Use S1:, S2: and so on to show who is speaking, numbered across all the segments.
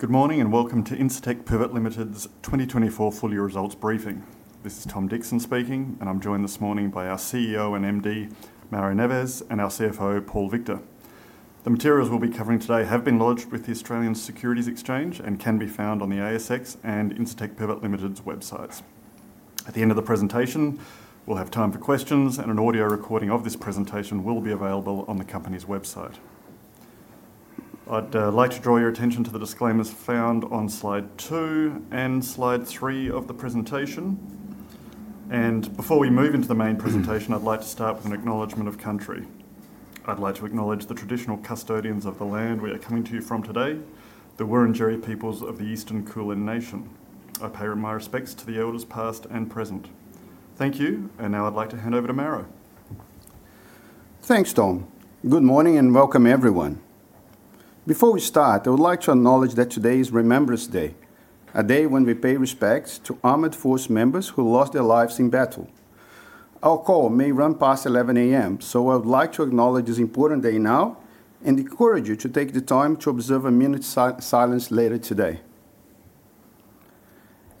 S1: Good morning and welcome to Incitec Pivot Limited's 2024 full-year results briefing. This is Tom Dixon speaking, and I'm joined this morning by our CEO and MD, Mauro Neves, and our CFO, Paul Victor. The materials we'll be covering today have been lodged with the Australian Securities Exchange and can be found on the ASX and Incitec Pivot Limited's websites. At the end of the presentation, we'll have time for questions, and an audio recording of this presentation will be available on the company's website. I'd like to draw your attention to the disclaimers found on slide two and slide three of the presentation. And before we move into the main presentation, I'd like to start with an acknowledgement of country. I'd like to acknowledge the traditional custodians of the land we are coming to you from today, the Wurundjeri peoples of the Eastern Kulin Nation. I pay my respects to the elders past and present. Thank you, and now I'd like to hand over to Mauro.
S2: Thanks, Tom. Good morning and welcome, everyone. Before we start, I would like to acknowledge that today is Remembrance Day, a day when we pay respects to armed forces members who lost their lives in battle. Our call may run past 11:00 A.M., so I would like to acknowledge this important day now and encourage you to take the time to observe a minute's silence later today.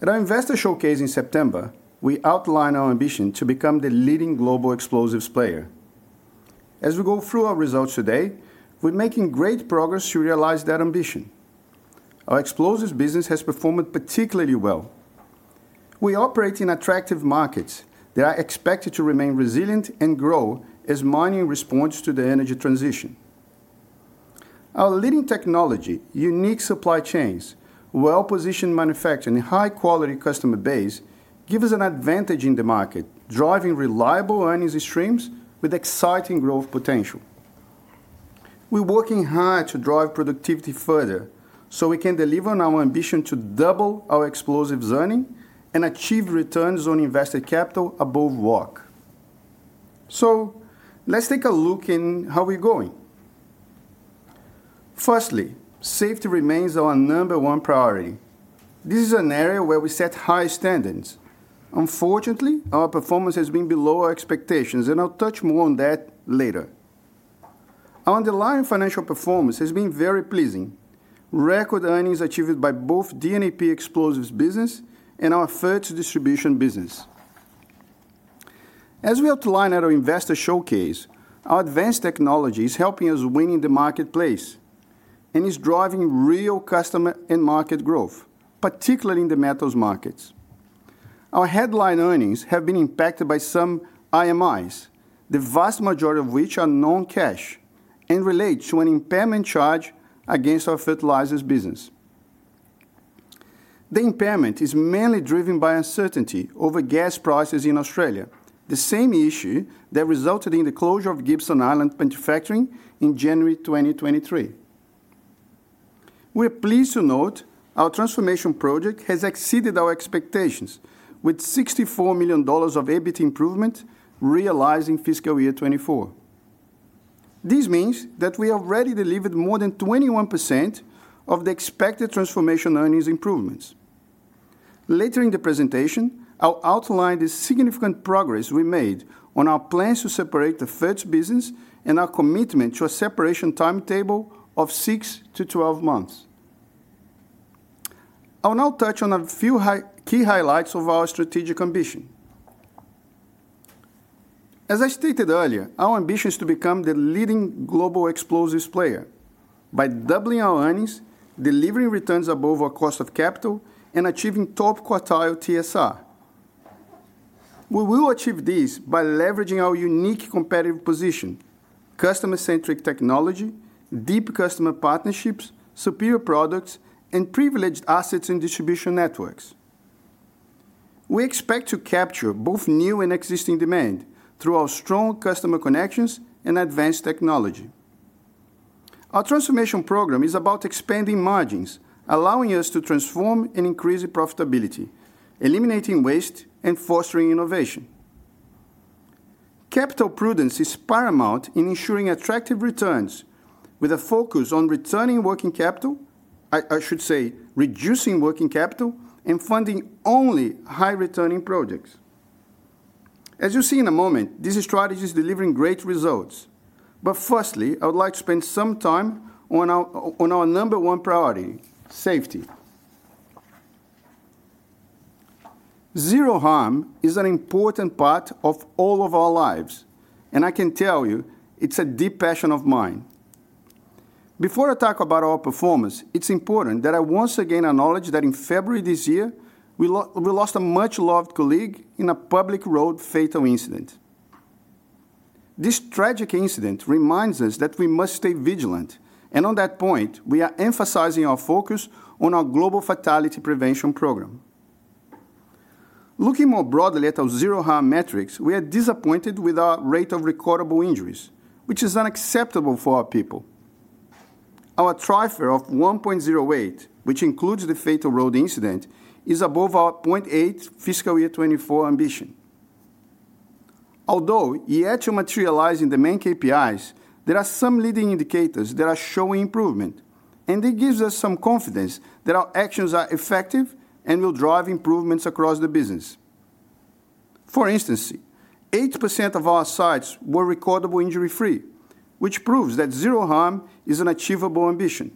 S2: At our investor showcase in September, we outlined our ambition to become the leading global explosives player. As we go through our results today, we're making great progress to realize that ambition. Our explosives business has performed particularly well. We operate in attractive markets that are expected to remain resilient and grow as mining responds to the energy transition. Our leading technology, unique supply chains, well-positioned manufacturing, and high-quality customer base give us an advantage in the market, driving reliable earnings streams with exciting growth potential. We're working hard to drive productivity further so we can deliver on our ambition to double our explosives earning and achieve returns on invested capital above WACC. So let's take a look at how we're going. Firstly, safety remains our number one priority. This is an area where we set high standards. Unfortunately, our performance has been below our expectations, and I'll touch more on that later. Our underlying financial performance has been very pleasing, record earnings achieved by both DNAP explosives business and our Ferts distribution business. As we outline at our investor showcase, our advanced technology is helping us win in the marketplace and is driving real customer and market growth, particularly in the metals markets. Our headline earnings have been impacted by some IMIs, the vast majority of which are non-cash, and relate to an impairment charge against our fertilizers business. The impairment is mainly driven by uncertainty over gas prices in Australia, the same issue that resulted in the closure of Gibson Island plant factory in January 2023. We're pleased to note our transformation project has exceeded our expectations, with 64 million dollars of EBIT improvement realized in fiscal year 2024. This means that we have already delivered more than 21% of the expected transformation earnings improvements. Later in the presentation, I'll outline the significant progress we made on our plans to separate the Ferts business and our commitment to a separation timetable of six to 12 months. I'll now touch on a few key highlights of our strategic ambition. As I stated earlier, our ambition is to become the leading global explosives player by doubling our earnings, delivering returns above our cost of capital, and achieving top quartile TSR. We will achieve this by leveraging our unique competitive position, customer-centric technology, deep customer partnerships, superior products, and privileged assets and distribution networks. We expect to capture both new and existing demand through our strong customer connections and advanced technology. Our transformation program is about expanding margins, allowing us to transform and increase profitability, eliminating waste and fostering innovation. Capital prudence is paramount in ensuring attractive returns, with a focus on returning working capital, I should say, reducing working capital, and funding only high-returning projects. As you'll see in a moment, this strategy is delivering great results. But firstly, I would like to spend some time on our number one priority: safety. Zero harm is an important part of all of our lives, and I can tell you it's a deep passion of mine. Before I talk about our performance, it's important that I once again acknowledge that in February this year, we lost a much-loved colleague in a public road fatal incident. This tragic incident reminds us that we must stay vigilant, and on that point, we are emphasizing our focus on our global fatality prevention program. Looking more broadly at our zero harm metrics, we are disappointed with our rate of recordable injuries, which is unacceptable for our people. Our TRIFR of 1.08, which includes the fatal road incident, is above our 0.8 fiscal year 2024 ambition. Although not yet materializing the main KPIs, there are some leading indicators that are showing improvement, and it gives us some confidence that our actions are effective and will drive improvements across the business. For instance, 8% of our sites were recordable injury-free, which proves that zero harm is an achievable ambition.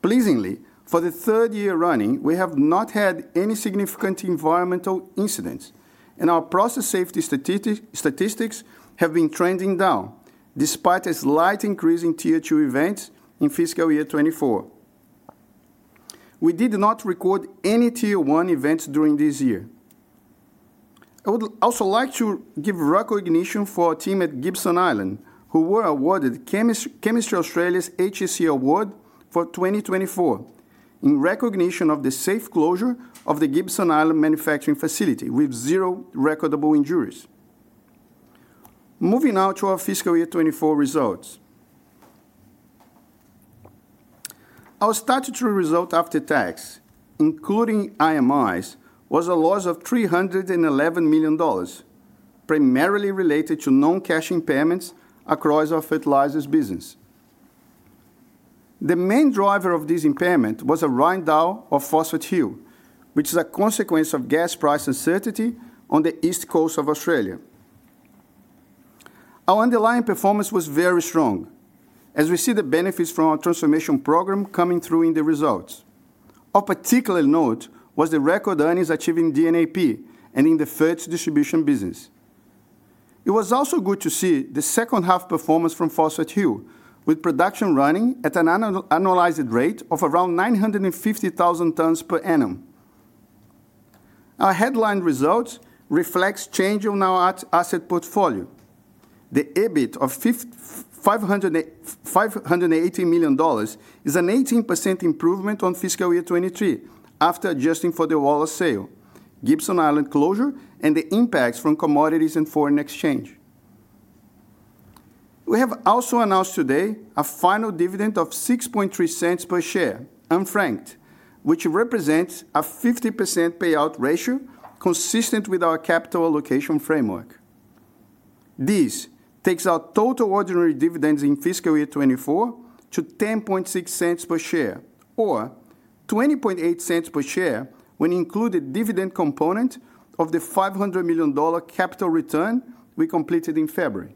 S2: Pleasingly, for the third year running, we have not had any significant environmental incidents, and our process safety statistics have been trending down despite a slight increase in Tier 2 events in fiscal year 2024. We did not record any Tier 1 events during this year. I would also like to give recognition for our team at Gibson Island, who were awarded Chemistry Australia's HSE Award for 2024 in recognition of the safe closure of the Gibson Island manufacturing facility with zero recordable injuries. Moving now to our fiscal year 2024 results. Our statutory result after tax, including IMIs, was a loss of 311 million dollars, primarily related to non-cash impairments across our fertilizers business. The main driver of this impairment was a write-down of Phosphate Hill, which is a consequence of gas price uncertainty on the east coast of Australia. Our underlying performance was very strong, as we see the benefits from our transformation program coming through in the results. Of particular note was the record earnings achieved in DNAP and in the fertiliser distribution business. It was also good to see the second-half performance from Phosphate Hill, with production running at an annualized rate of around 950,000 tons per annum. Our headline results reflect changes to our asset portfolio. The EBIT of 580 million dollars is an 18% improvement on fiscal year 2023 after adjusting for the Waggaman sale, Gibson Island closure, and the impacts from commodities and foreign exchange. We have also announced today a final dividend of 0.063 per share, unfranked, which represents a 50% payout ratio consistent with our capital allocation framework. This takes our total ordinary dividends in fiscal year 2024 to 0.106 per share, or 0.208 per share when included dividend component of the 500 million dollar capital return we completed in February.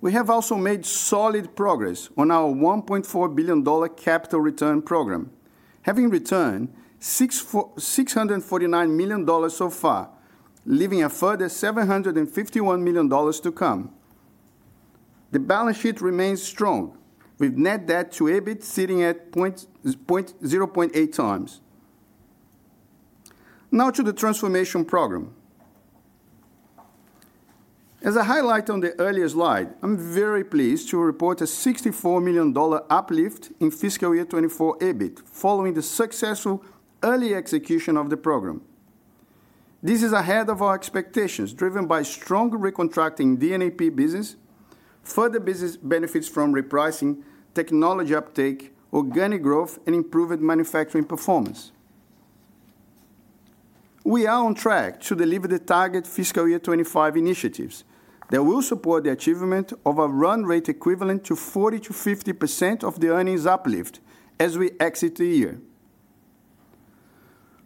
S2: We have also made solid progress on our 1.4 billion dollar capital return program, having returned 649 million dollars so far, leaving a further 751 million dollars to come. The balance sheet remains strong, with net debt to EBIT sitting at 0.8 times. Now to the transformation program. As I highlight on the earlier slide, I'm very pleased to report a 64 million dollar uplift in fiscal year 2024 EBIT following the successful early execution of the program. This is ahead of our expectations, driven by strong recontracting DNAP business, further business benefits from repricing, technology uptake, organic growth, and improved manufacturing performance. We are on track to deliver the target fiscal year 2025 initiatives that will support the achievement of a run rate equivalent to 40% to 50% of the earnings uplift as we exit the year.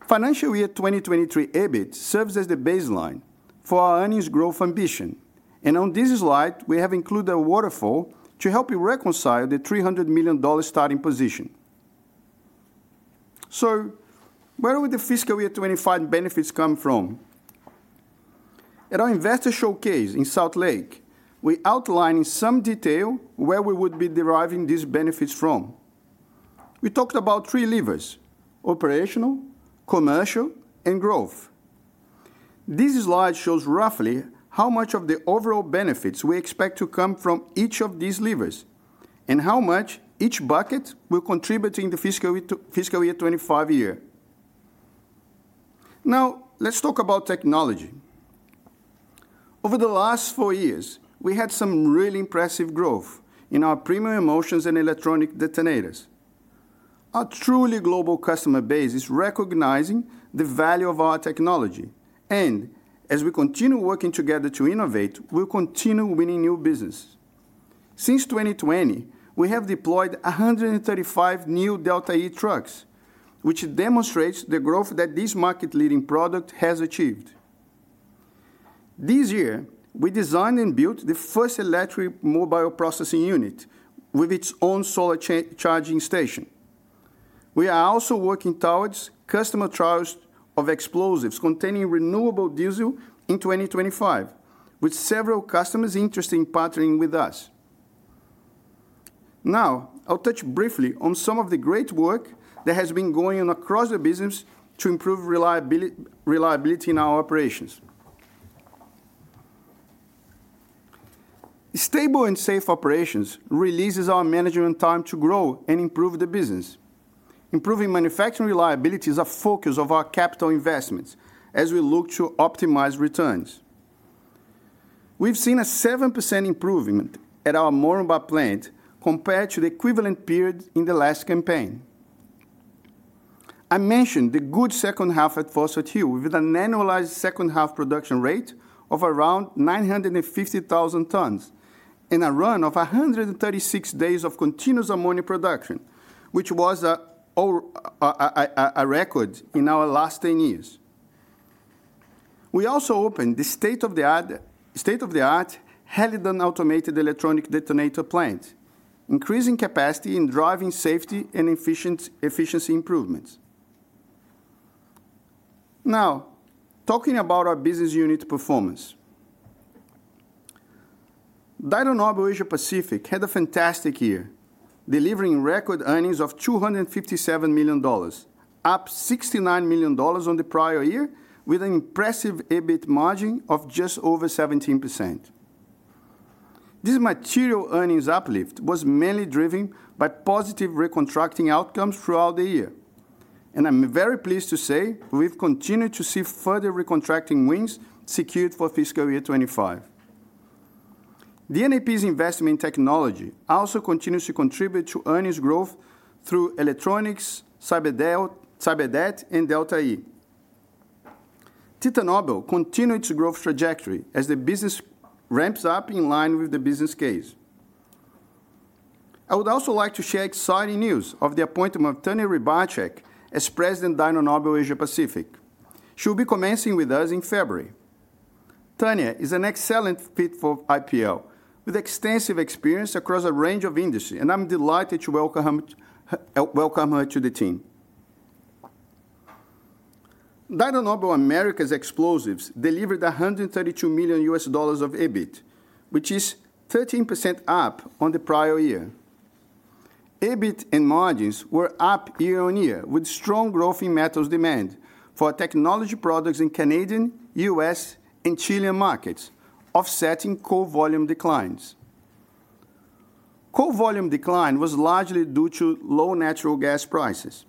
S2: Financial year 2023 EBIT serves as the baseline for our earnings growth ambition, and on this slide, we have included a waterfall to help you reconcile the 300 million dollar starting position. So where would the fiscal year 2025 benefits come from? At our investor showcase in Salt Lake, we outlined in some detail where we would be deriving these benefits from. We talked about three levers: operational, commercial, and growth. This slide shows roughly how much of the overall benefits we expect to come from each of these levers and how much each bucket will contribute in the fiscal year '25 year. Now, let's talk about technology. Over the last four years, we had some really impressive growth in our premium emulsions and electronic detonators. Our truly global customer base is recognizing the value of our technology, and as we continue working together to innovate, we'll continue winning new business. Since 2020, we have deployed 135 new Delta E trucks, which demonstrates the growth that this market-leading product has achieved. This year, we designed and built the first electric mobile processing unit with its own solar charging station. We are also working towards customer trials of explosives containing renewable diesel in 2025, with several customers interested in partnering with us. Now, I'll touch briefly on some of the great work that has been going on across the business to improve reliability in our operations. Stable and safe operations release our management time to grow and improve the business. Improving manufacturing reliability is a focus of our capital investments as we look to optimize returns. We've seen a 7% improvement at our Moranbah plant compared to the equivalent period in the last campaign. I mentioned the good second half at Phosphate Hill with an annualized second half production rate of around 950,000 tons and a run of 136 days of continuous ammonia production, which was a record in our last 10 years. We also opened the state-of-the-art Helidon automated electronic detonator plant, increasing capacity and driving safety and efficiency improvements. Now, talking about our business unit performance. Dyno Nobel Asia Pacific had a fantastic year, delivering record earnings of 257 million dollars, up 69 million dollars on the prior year, with an impressive EBIT margin of just over 17%. This material earnings uplift was mainly driven by positive recontracting outcomes throughout the year, and I'm very pleased to say we've continued to see further recontracting wins secured for fiscal year 2025. DNAP's investment in technology also continues to contribute to earnings growth through electronics, CyberDet, and Delta E. Titanobel continued its growth trajectory as the business ramps up in line with the business case. I would also like to share exciting news of the appointment of Tanya Rybarczyk as president of Dyno Nobel Asia Pacific. She will be commencing with us in February. Tanya is an excellent fit for IPL with extensive experience across a range of industries, and I'm delighted to welcome her to the team. Dyno Nobel Americas' explosives delivered $132 million of EBIT, which is 13% up on the prior year. EBIT and margins were up year on year, with strong growth in metals demand for technology products in Canadian, U.S., and Chilean markets, offsetting core volume declines. Core volume decline was largely due to low natural gas prices.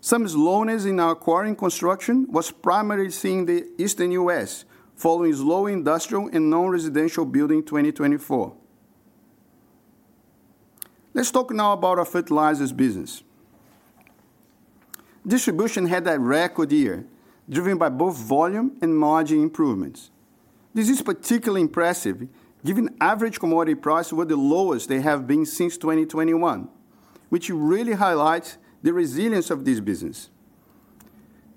S2: Some slowness in our quarrying construction was primarily seen in the eastern U.S. following slow industrial and non-residential building in 2024. Let's talk now about our fertilizers business. Distribution had a record year, driven by both volume and margin improvements. This is particularly impressive given average commodity prices were the lowest they have been since 2021, which really highlights the resilience of this business.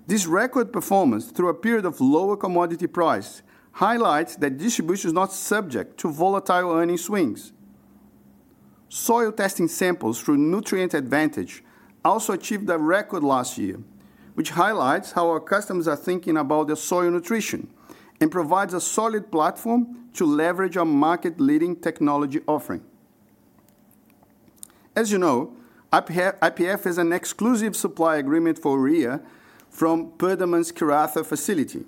S2: This record performance through a period of lower commodity price highlights that distribution is not subject to volatile earnings swings. Soil testing samples through Nutrient Advantage also achieved a record last year, which highlights how our customers are thinking about their soil nutrition and provides a solid platform to leverage our market-leading technology offering. As you know, IPF has an exclusive supply agreement for urea from Perdaman's Karratha facility,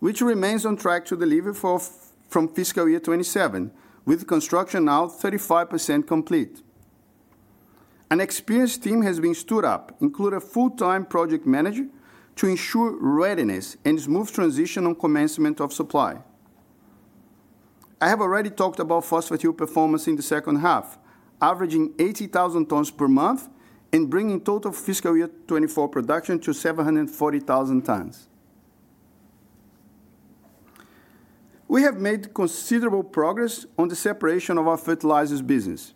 S2: which remains on track to deliver from fiscal year 2027, with construction now 35% complete. An experienced team has been stood up, including a full-time project manager, to ensure readiness and smooth transition on commencement of supply. I have already talked about Phosphate Hill performance in the second half, averaging 80,000 tons per month and bringing total fiscal year 2024 production to 740,000 tons. We have made considerable progress on the separation of our fertilizers business.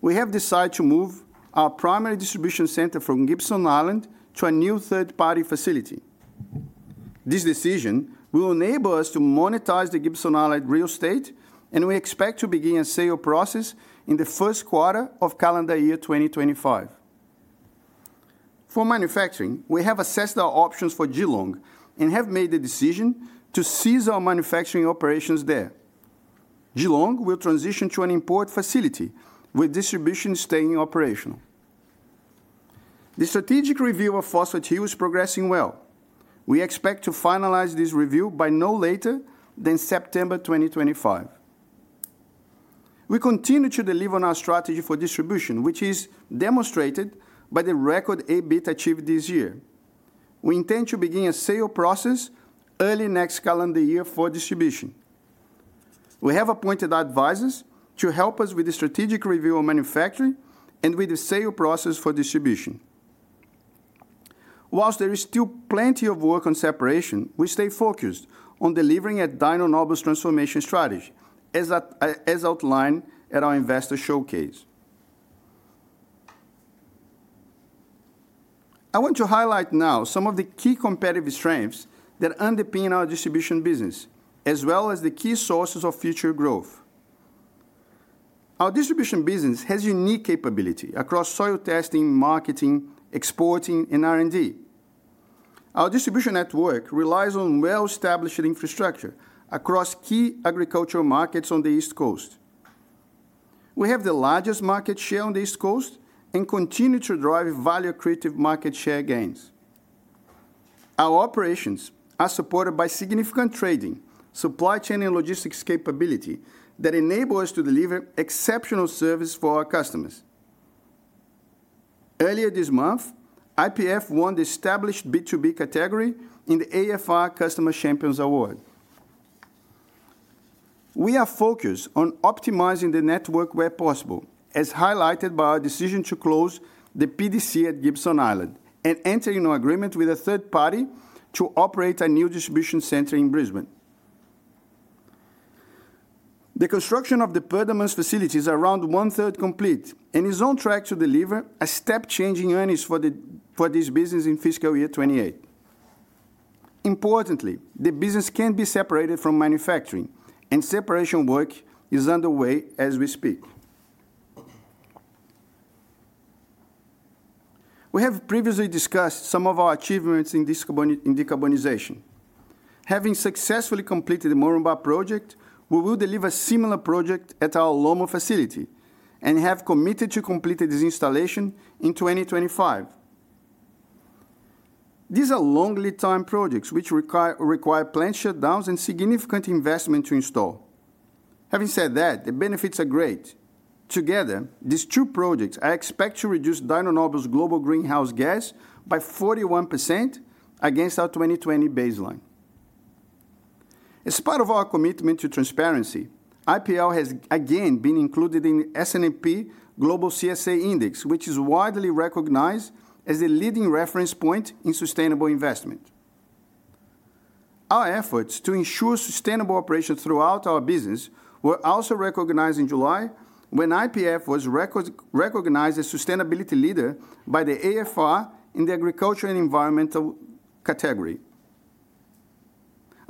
S2: We have decided to move our primary distribution center from Gibson Island to a new third-party facility. This decision will enable us to monetize the Gibson Island real estate, and we expect to begin a sale process in the first quarter of calendar year 2025. For manufacturing, we have assessed our options for Geelong and have made the decision to cease our manufacturing operations there. Geelong will transition to an import facility with distribution staying operational. The strategic review of Phosphate Hill is progressing well. We expect to finalize this review by no later than September 2025. We continue to deliver on our strategy for distribution, which is demonstrated by the record EBIT achieved this year. We intend to begin a sale process early next calendar year for distribution. We have appointed advisors to help us with the strategic review of manufacturing and with the sale process for distribution. While there is still plenty of work on separation, we stay focused on delivering a Dyno Nobel transformation strategy, as outlined at our investor showcase. I want to highlight now some of the key competitive strengths that underpin our distribution business, as well as the key sources of future growth. Our distribution business has unique capability across soil testing, marketing, exporting, and R&D. Our distribution network relies on well-established infrastructure across key agricultural markets on the east coast. We have the largest market share on the east coast and continue to drive value-creative market share gains. Our operations are supported by significant trading, supply chain, and logistics capability that enable us to deliver exceptional service for our customers. Earlier this month, IPF won the established B2B category in the AFR Customer Champions Award. We are focused on optimizing the network where possible, as highlighted by our decision to close the PDC at Gibson Island and entering an agreement with a third party to operate a new distribution center in Brisbane. The construction of the Perdaman's facility is around one-third complete and is on track to deliver a step-changing earnings for this business in fiscal year 2028. Importantly, the business can be separated from manufacturing, and separation work is underway as we speak. We have previously discussed some of our achievements in decarbonization. Having successfully completed the Moranbah project, we will deliver a similar project at our LOMO facility and have committed to complete this installation in 2025. These are long lead-time projects which require plant shutdowns and significant investment to install. Having said that, the benefits are great. Together, these two projects are expected to reduce Dyno Nobel's global greenhouse gas by 41% against our 2020 baseline. As part of our commitment to transparency, IPL has again been included in the S&P Global CSA Index, which is widely recognized as the leading reference point in sustainable investment. Our efforts to ensure sustainable operations throughout our business were also recognized in July when IPF was recognized as sustainability leader by the AFR in the agriculture and environmental category.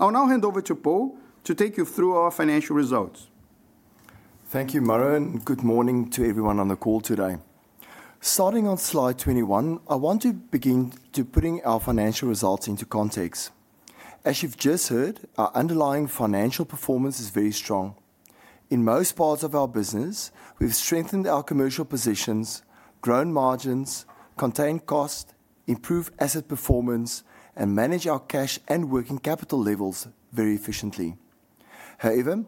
S2: I'll now hand over to Paul to take you through our financial results.
S3: Thank you, Mauro, and good morning to everyone on the call today. Starting on slide 21, I want to begin to put our financial results into context. As you've just heard, our underlying financial performance is very strong. In most parts of our business, we've strengthened our commercial positions, grown margins, contained costs, improved asset performance, and managed our cash and working capital levels very efficiently. However,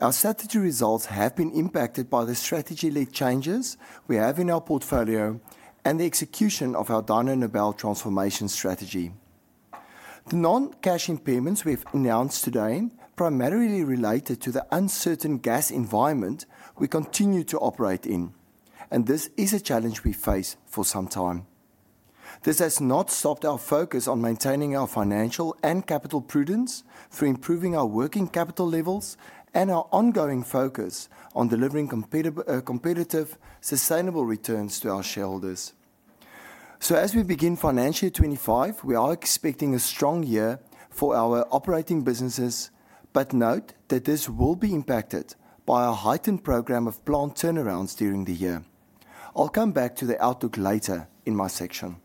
S3: our strategy results have been impacted by the strategy-led changes we have in our portfolio and the execution of our Dyno Nobel transformation strategy. The non-cash impediments we've announced today primarily related to the uncertain gas environment we continue to operate in, and this is a challenge we face for some time. This has not stopped our focus on maintaining our financial and capital prudence through improving our working capital levels and our ongoing focus on delivering competitive, sustainable returns to our shareholders. So, as we begin financial year 2025, we are expecting a strong year for our operating businesses, but note that this will be impacted by our heightened program of planned turnarounds during the year. I'll come back to the outlook later in my section.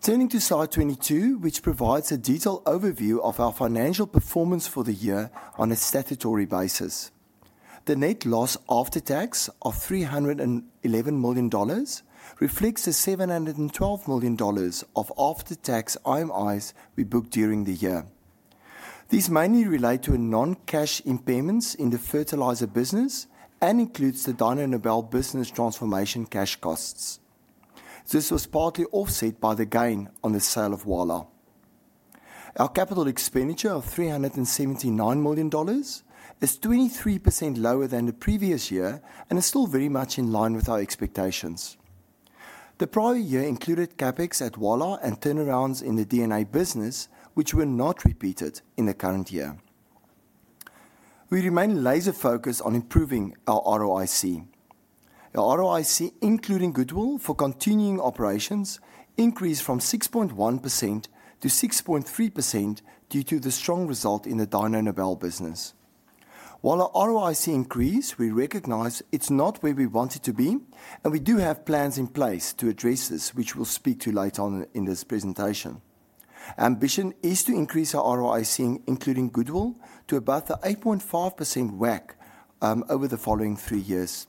S3: Turning to slide 22, which provides a detailed overview of our financial performance for the year on a statutory basis. The net loss after tax of 311 million dollars reflects the 712 million dollars of after-tax IMIs we booked during the year. These mainly relate to non-cash impairments in the fertilizer business and include the Dyno Nobel business transformation cash costs. This was partly offset by the gain on the sale of Waggaman. Our capital expenditure of 379 million dollars is 23% lower than the previous year and is still very much in line with our expectations. The prior year included CapEx at Waggaman and turnarounds in the DNA business, which were not repeated in the current year. We remain laser-focused on improving our ROIC. Our ROIC, including goodwill for continuing operations, increased from 6.1% to 6.3% due to the strong result in the Dyno Nobel business. While our ROIC increased, we recognize it's not where we want it to be, and we do have plans in place to address this, which we'll speak to later on in this presentation. Our ambition is to increase our ROIC, including goodwill, to above the 8.5% WACC over the following three years,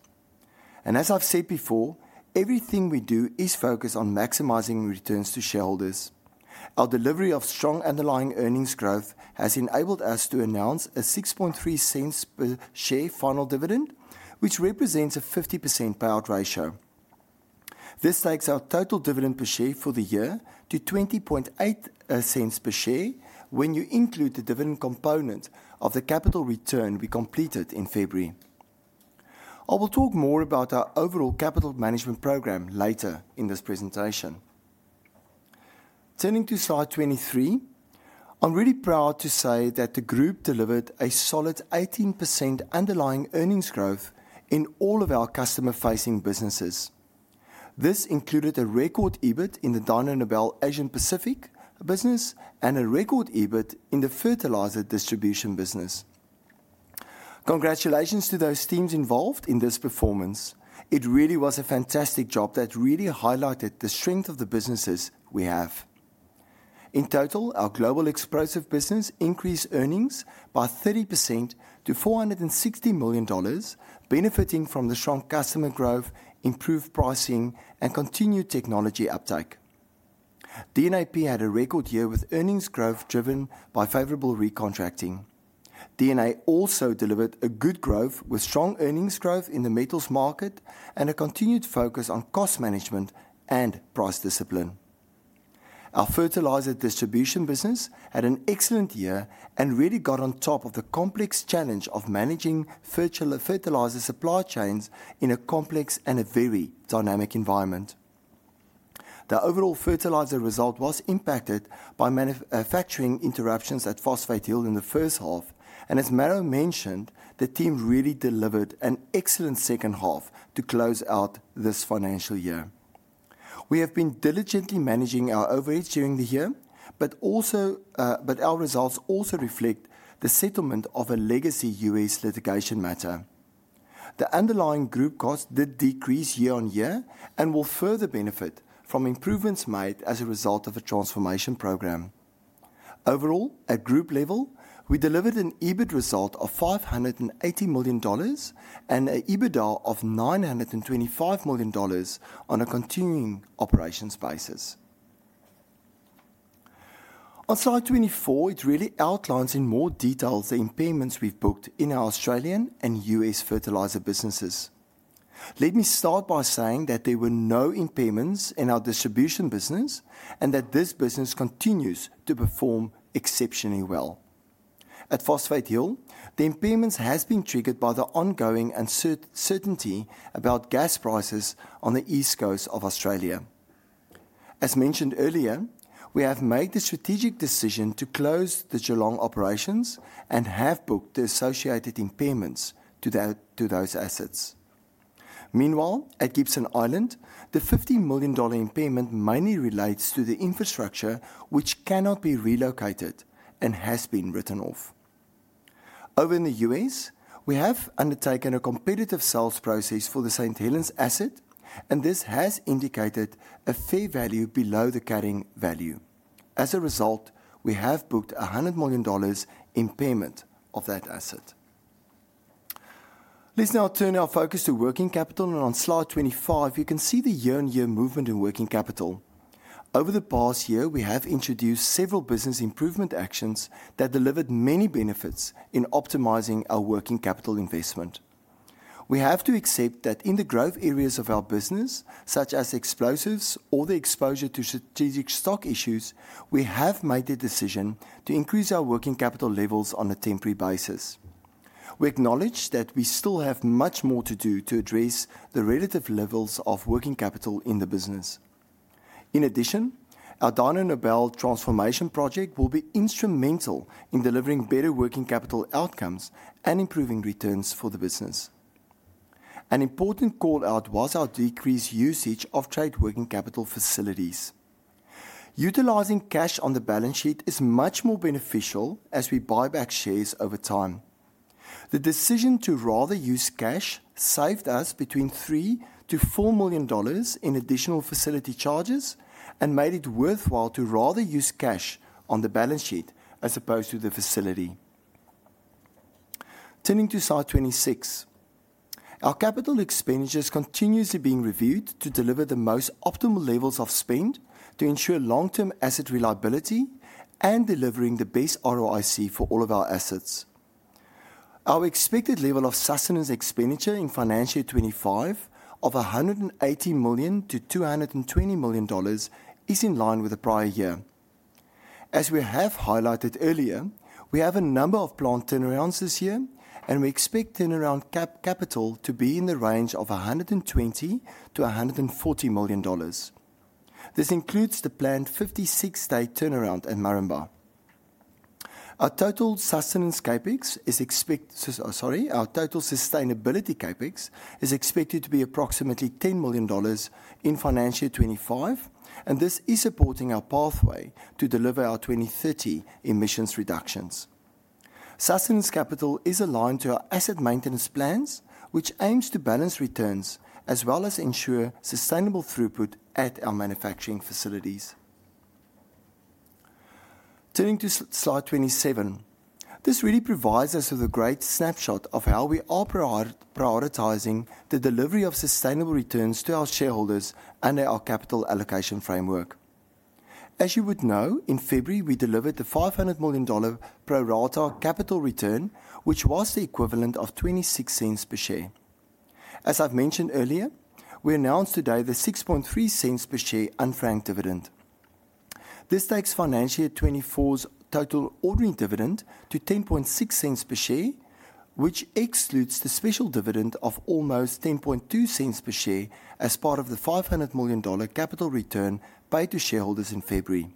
S3: and as I've said before, everything we do is focused on maximizing returns to shareholders. Our delivery of strong underlying earnings growth has enabled us to announce a 0.063 per share final dividend, which represents a 50% payout ratio. This takes our total dividend per share for the year to 0.208 per share when you include the dividend component of the capital return we completed in February. I will talk more about our overall capital management program later in this presentation. Turning to slide 23, I'm really proud to say that the group delivered a solid 18% underlying earnings growth in all of our customer-facing businesses. This included a record EBIT in the Dyno Nobel Asia Pacific business and a record EBIT in the fertilizer distribution business. Congratulations to those teams involved in this performance. It really was a fantastic job that really highlighted the strength of the businesses we have. In total, our global explosive business increased earnings by 30% to 460 million dollars, benefiting from the strong customer growth, improved pricing, and continued technology uptake. DNAP had a record year with earnings growth driven by favorable recontracting. DNA also delivered a good growth with strong earnings growth in the metals market and a continued focus on cost management and price discipline. Our fertilizer distribution business had an excellent year and really got on top of the complex challenge of managing fertilizer supply chains in a complex and a very dynamic environment. The overall fertilizer result was impacted by manufacturing interruptions at Phosphate Hill in the first half, and as Mauro mentioned, the team really delivered an excellent second half to close out this financial year. We have been diligently managing our overheads during the year, but our results also reflect the settlement of a legacy U.S. litigation matter. The underlying group costs did decrease year on year and will further benefit from improvements made as a result of the transformation program. Overall, at group level, we delivered an EBIT result of 580 million dollars and an EBITDA of 925 million dollars on a continuing operations basis. On slide 24, it really outlines in more detail the impairments we've booked in our Australian and U.S. fertilizer businesses. Let me start by saying that there were no impairments in our distribution business and that this business continues to perform exceptionally well. At Phosphate Hill, the impairments have been triggered by the ongoing uncertainty about gas prices on the east coast of Australia. As mentioned earlier, we have made the strategic decision to close the Geelong operations and have booked the associated impairments to those assets. Meanwhile, at Gibson Island, the $50 million impairment mainly relates to the infrastructure which cannot be relocated and has been written off. Over in the U.S., we have undertaken a competitive sales process for the St. Helens asset, and this has indicated a fair value below the carrying value. As a result, we have booked $100 million impairment of that asset. Let's now turn our focus to working capital, and on slide 25, you can see the year-on-year movement in working capital. Over the past year, we have introduced several business improvement actions that delivered many benefits in optimizing our working capital investment. We have to accept that in the growth areas of our business, such as explosives or the exposure to strategic stock issues, we have made the decision to increase our working capital levels on a temporary basis. We acknowledge that we still have much more to do to address the relative levels of working capital in the business. In addition, our Dyno Nobel transformation project will be instrumental in delivering better working capital outcomes and improving returns for the business. An important call-out was our decreased usage of trade working capital facilities. Utilizing cash on the balance sheet is much more beneficial as we buy back shares over time. The decision to rather use cash saved us between 3 million to 4 million dollars in additional facility charges and made it worthwhile to rather use cash on the balance sheet as opposed to the facility. Turning to slide 26, our capital expenditure is continuously being reviewed to deliver the most optimal levels of spend to ensure long-term asset reliability and delivering the best ROIC for all of our assets. Our expected level of sustenance expenditure in financial year 2025 of 180 million to 220 million dollars is in line with the prior year. As we have highlighted earlier, we have a number of planned turnarounds this year, and we expect turnaround capital to be in the range of 120 million to 140 million dollars. This includes the planned 56-day turnaround at Moranbah. Our total sustainability Capex is expected to be approximately 10 million dollars in financial year 2025, and this is supporting our pathway to deliver our 2030 emissions reductions. Sustaining capital is aligned to our asset maintenance plans, which aims to balance returns as well as ensure sustainable throughput at our manufacturing facilities. Turning to slide 27, this really provides us with a great snapshot of how we are prioritizing the delivery of sustainable returns to our shareholders under our capital allocation framework. As you would know, in February, we delivered the 500 million dollar pro rata capital return, which was the equivalent of 0.26 per share. As I've mentioned earlier, we announced today the 0.63 per share unfranked dividend. This takes financial year 2024's total ordinary dividend to 0.10 per share, which excludes the special dividend of almost 0.10 per share as part of the 500 million dollar capital return paid to shareholders in February.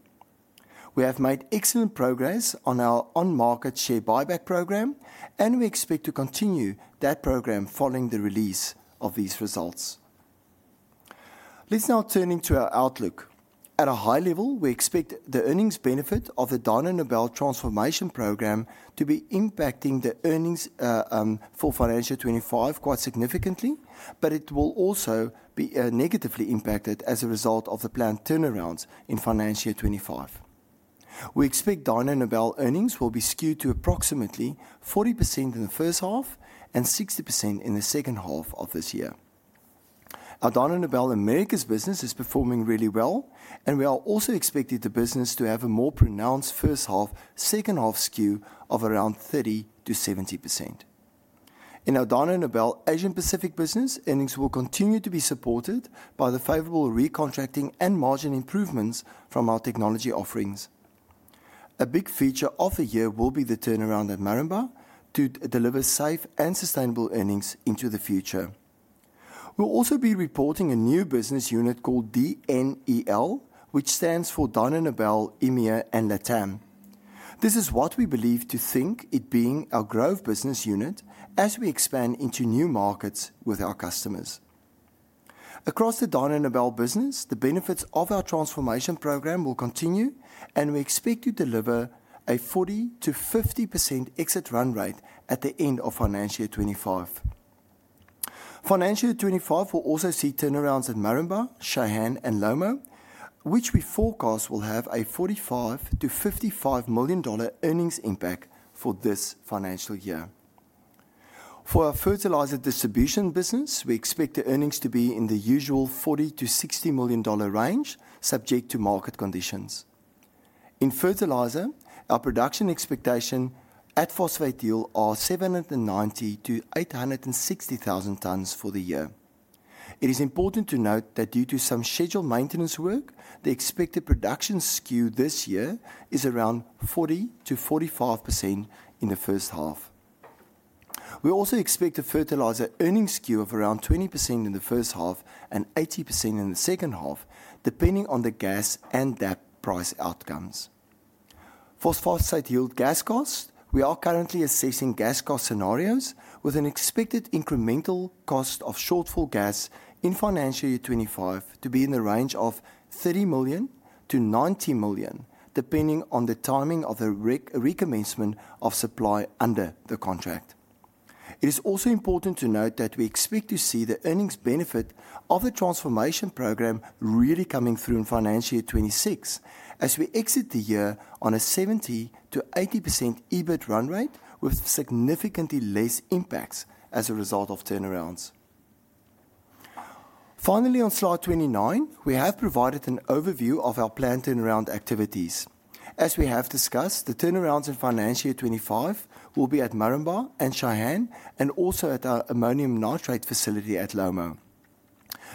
S3: We have made excellent progress on our on-market share buyback program, and we expect to continue that program following the release of these results. Let's now turn to our outlook. At a high level, we expect the earnings benefit of the Dyno Nobel transformation program to be impacting the earnings for financial year 2025 quite significantly, but it will also be negatively impacted as a result of the planned turnarounds in financial year 2025. We expect Dyno Nobel earnings will be skewed to approximately 40% in the first half and 60% in the second half of this year. Our Dyno Nobel Americas business is performing really well, and we are also expecting the business to have a more pronounced first-half, second-half skew of around 30% to 70%. In our Dyno Nobel Asia Pacific business, earnings will continue to be supported by the favorable recontracting and margin improvements from our technology offerings. A big feature of the year will be the turnaround at Moranbah to deliver safe and sustainable earnings into the future. We'll also be reporting a new business unit called DNEL, which stands for Dyno Nobel, EMEA, and LATAM. This is what we believe it to be our growth business unit as we expand into new markets with our customers. Across the Dyno Nobel business, the benefits of our transformation program will continue, and we expect to deliver a 40%-50% exit run rate at the end of financial year 2025. Financial year 2025 will also see turnarounds at Moranbah, Cheyenne, and Lomo, which we forecast will have a 45-55 million dollar earnings impact for this financial year. For our fertilizer distribution business, we expect the earnings to be in the usual 40-60 million dollar range, subject to market conditions. In fertilizer, our production expectation at Phosphate Hill is 790,000-860,000 tons for the year. It is important to note that due to some scheduled maintenance work, the expected production skew this year is around 40%-45% in the first half. We also expect a fertilizer earnings skew of around 20% in the first half and 80% in the second half, depending on the gas and DAP price outcomes. Phosphate Hill gas costs, we are currently assessing gas cost scenarios with an expected incremental cost of shortfall gas in financial year 2025 to be in the range of 30 million-90 million, depending on the timing of the recommencement of supply under the contract. It is also important to note that we expect to see the earnings benefit of the transformation program really coming through in financial year 2026 as we exit the year on a 70%-80% EBIT run rate with significantly less impacts as a result of turnarounds. Finally, on slide 29, we have provided an overview of our planned turnaround activities. As we have discussed, the turnarounds in financial year 2025 will be at Moranbah and Cheyenne and also at our ammonium nitrate facility at Lomo.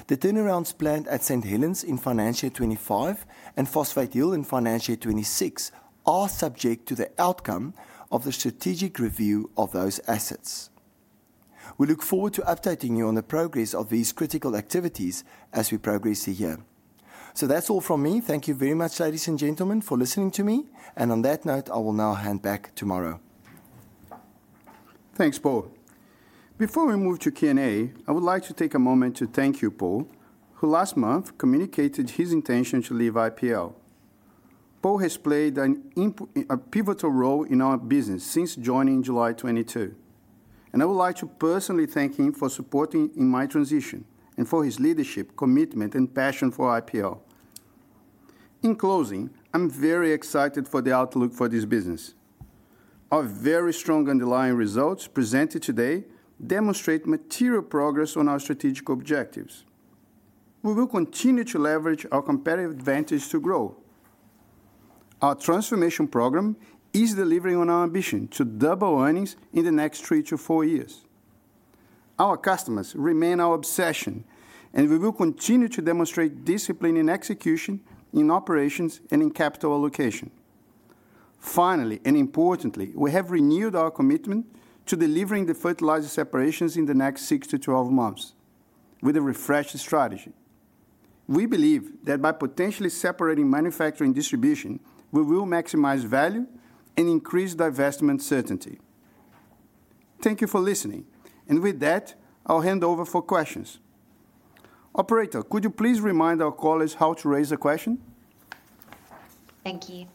S3: The turnarounds planned at St. Helens in financial year 2025 and Phosphate Hill in financial year 2026 are subject to the outcome of the strategic review of those assets. We look forward to updating you on the progress of these critical activities as we progress the year. So that's all from me. Thank you very much, ladies and gentlemen, for listening to me. And on that note, I will now hand back to Mauro.
S2: Thanks, Paul. Before we move to Q&A, I would like to take a moment to thank you, Paul, who last month communicated his intention to leave IPL. Paul has played a pivotal role in our business since joining July 2022, and I would like to personally thank him for supporting in my transition and for his leadership, commitment, and passion for IPL. In closing, I'm very excited for the outlook for this business. Our very strong underlying results presented today demonstrate material progress on our strategic objectives. We will continue to leverage our competitive advantage to grow. Our transformation program is delivering on our ambition to double earnings in the next three to four years. Our customers remain our obsession, and we will continue to demonstrate discipline in execution, in operations, and in capital allocation. Finally, and importantly, we have renewed our commitment to delivering the fertilizer separations in the next six to 12 months with a refreshed strategy. We believe that by potentially separating manufacturing and distribution, we will maximize value and increase divestment certainty. Thank you for listening. And with that, I'll hand over for questions. Operator, could you please remind our callers how to raise a question?
S4: Thank you.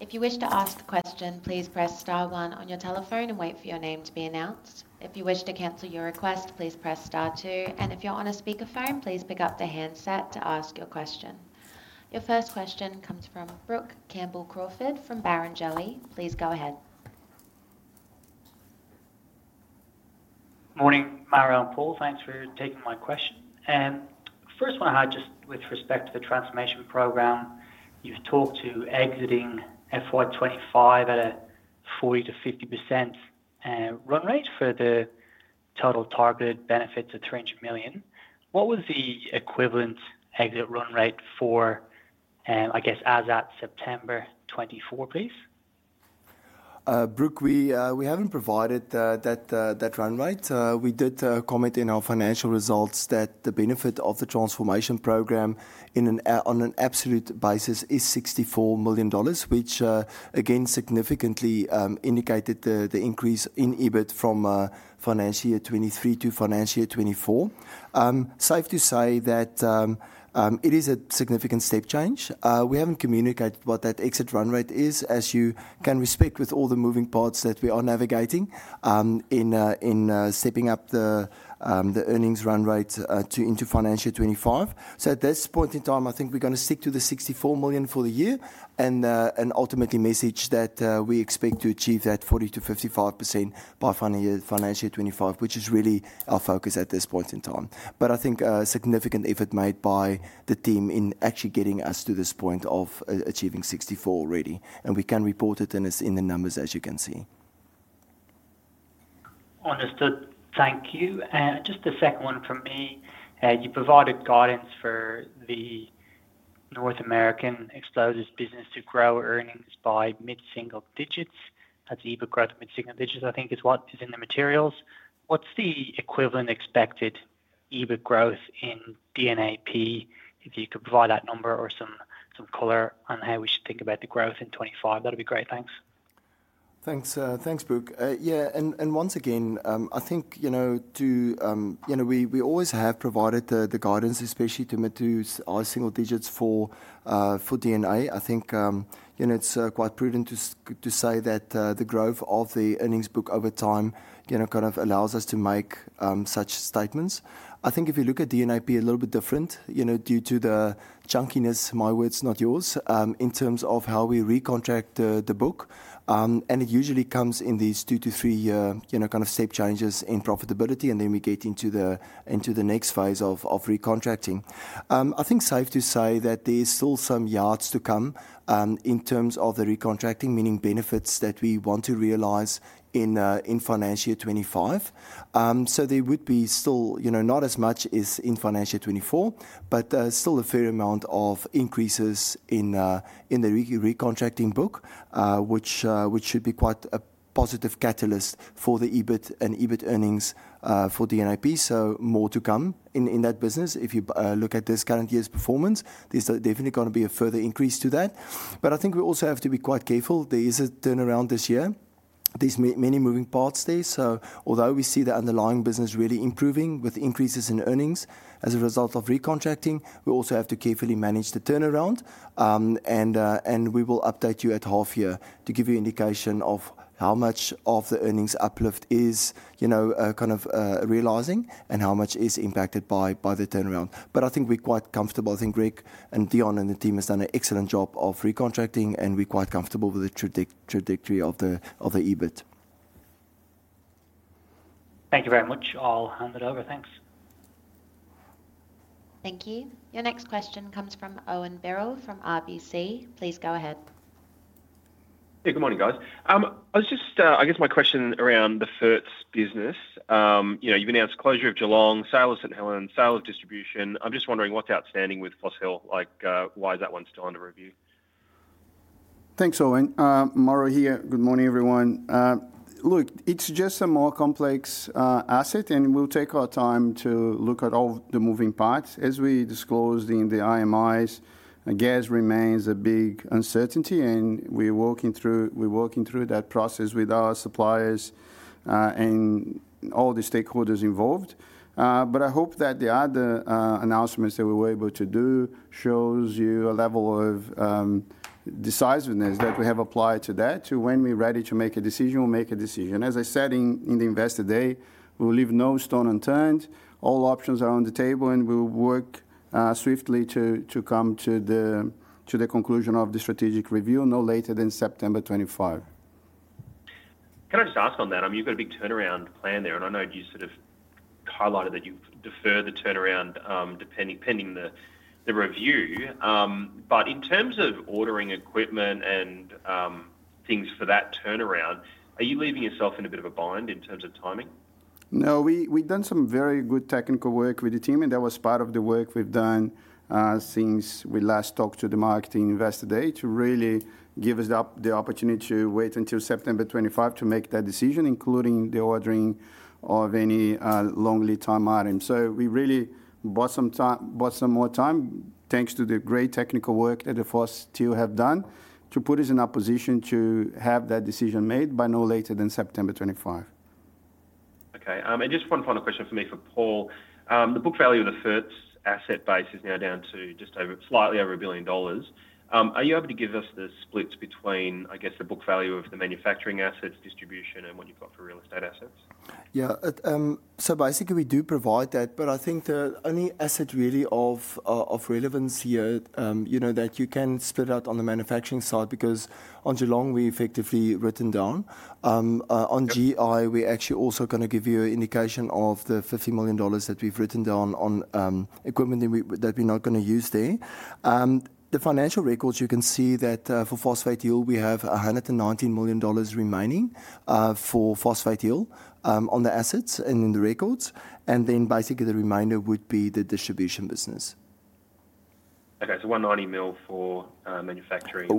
S4: If you wish to ask a question, please press star one on your telephone and wait for your name to be announced. If you wish to cancel your request, please press star two. And if you're on a speakerphone, please pick up the handset to ask your question. Your first question comes from Brook Campbell-Crawford from Barrenjoey. Please go ahead.
S5: Morning, Mauro, and Paul. Thanks for taking my question. First, what I had just with respect to the transformation program, you've talked to exiting FY25 at a 40%-50% run rate for the total targeted benefits of 300 million. What was the equivalent exit run rate for, I guess, as at September 2024, please?
S3: Brook, we haven't provided that run rate. We did comment in our financial results that the benefit of the transformation program on an absolute basis is 64 million dollars, which again significantly indicated the increase in EBIT from financial year 2023 to financial year 2024. Safe to say that it is a significant step change. We haven't communicated what that exit run rate is, as you can appreciate with all the moving parts that we are navigating in stepping up the earnings run rate into financial year 2025. So at this point in time, I think we're going to stick to the 64 million for the year and ultimately message that we expect to achieve that 40% to 55% by financial year 2025, which is really our focus at this point in time. But I think a significant effort made by the team in actually getting us to this point of achieving $64 already, and we can report it in the numbers as you can see.
S5: Understood. Thank you. And just a second one from me. You provided guidance for the North American explosives business to grow earnings by mid-single digits. That's EBIT growth mid-single digits, I think is what is in the materials. What's the equivalent expected EBIT growth in DNAP? If you could provide that number or some color on how we should think about the growth in 2025, that would be great. Thanks.
S3: Thanks, Brook. Yeah. And once again, I think we always have provided the guidance, especially mid-single digits for DNA. I think it's quite prudent to say that the growth in the EBIT over time kind of allows us to make such statements. I think if you look at DNAP a little bit different due to the junkiness, my words, not yours, in terms of how we recontract the book, and it usually comes in these two to three kind of step changes in profitability, and then we get into the next phase of recontracting. I think safe to say that there's still some yards to come in terms of the recontracting, meaning benefits that we want to realize in financial year 2025, so there would be still not as much as in financial year 2024, but still a fair amount of increases in the recontracting book, which should be quite a positive catalyst for the EBIT and EBIT earnings for DNAP. So more to come in that business. If you look at this current year's performance, there's definitely going to be a further increase to that. But I think we also have to be quite careful. There is a turnaround this year. There's many moving parts there. So although we see the underlying business really improving with increases in earnings as a result of recontracting, we also have to carefully manage the turnaround. And we will update you at half year to give you an indication of how much of the earnings uplift is kind of realizing and how much is impacted by the turnaround. But I think we're quite comfortable. I think Rick and Dion and the team have done an excellent job of recontracting, and we're quite comfortable with the trajectory of the EBIT.
S5: Thank you very much. I'll hand it over. Thanks.
S4: Thank you. Your next question comes from Owen Birrell from RBC. Please go ahead.
S6: Hey, good morning, guys. I guess my question around the fertilisers business. You've announced closure of Geelong, sale of St. Helens, sale of distribution. I'm just wondering what's outstanding with Phosphate Hill? Why is that one still under review?
S2: Thanks, Owen. Mauro here. Good morning, everyone. Look, it's just a more complex asset, and we'll take our time to look at all the moving parts. As we disclosed in the IMIs, gas remains a big uncertainty, and we're working through that process with our suppliers and all the stakeholders involved. But I hope that the other announcements that we were able to do show you a level of decisiveness that we have applied to that. When we're ready to make a decision, we'll make a decision. As I said in the investor day, we'll leave no stone unturned. All options are on the table, and we'll work swiftly to come to the conclusion of the strategic review no later than September 2025.
S6: Can I just ask on that? You've got a big turnaround plan there, and I know you sort of highlighted that you've deferred the turnaround pending the review. But in terms of ordering equipment and things for that turnaround, are you leaving yourself in a bit of a bind in terms of timing?
S2: No, we've done some very good technical work with the team, and that was part of the work we've done since we last talked at the March investor day to really give us the opportunity to wait until September 2025 to make that decision, including the ordering of any long lead time items. So we really bought some more time, thanks to the great technical work that the Phosphate Hill team have done, to put us in a position to have that decision made by no later than September 2025.
S6: Okay. And just one final question for me for Paul. The book value of the Ferts asset base is now down to just slightly over 1 billion dollars. Are you able to give us the splits between, I guess, the book value of the manufacturing assets, distribution, and what you've got for real estate assets?
S2: Yeah. So basically, we do provide that, but I think the only asset really of relevance here that you can split out on the manufacturing side because on Geelong, we've effectively written down. On GI, we're actually also going to give you an indication of the 50 million dollars that we've written down on equipment that we're not going to use there. The financial records, you can see that for Phosphate Hill, we have 119 million dollars remaining for Phosphate Hill on the assets and in the records. And then basically, the remainder would be the distribution business.
S6: Okay. So 190 million for manufacturing.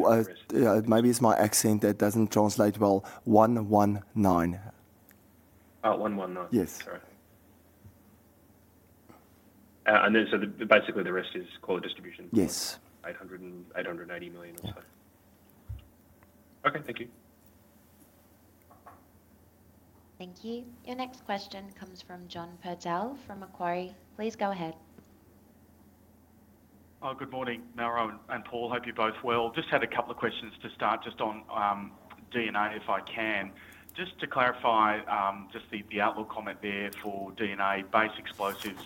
S2: Yeah, maybe it's my accent that doesn't translate well. 119 million.
S6: Oh, 119 million.
S2: Yes.
S6: And then so basically, the rest is quality distribution.
S2: Yes.
S6: 880 million or so. Okay. Thank you.
S4: Thank you. Your next question comes from John Purtell from Macquarie. Please go ahead.
S7: Good morning, Mauro and Paul. Hope you're both well. Just had a couple of questions to start just on DNA, if I can. Just to clarify just the outlook comment there for DNA-based explosives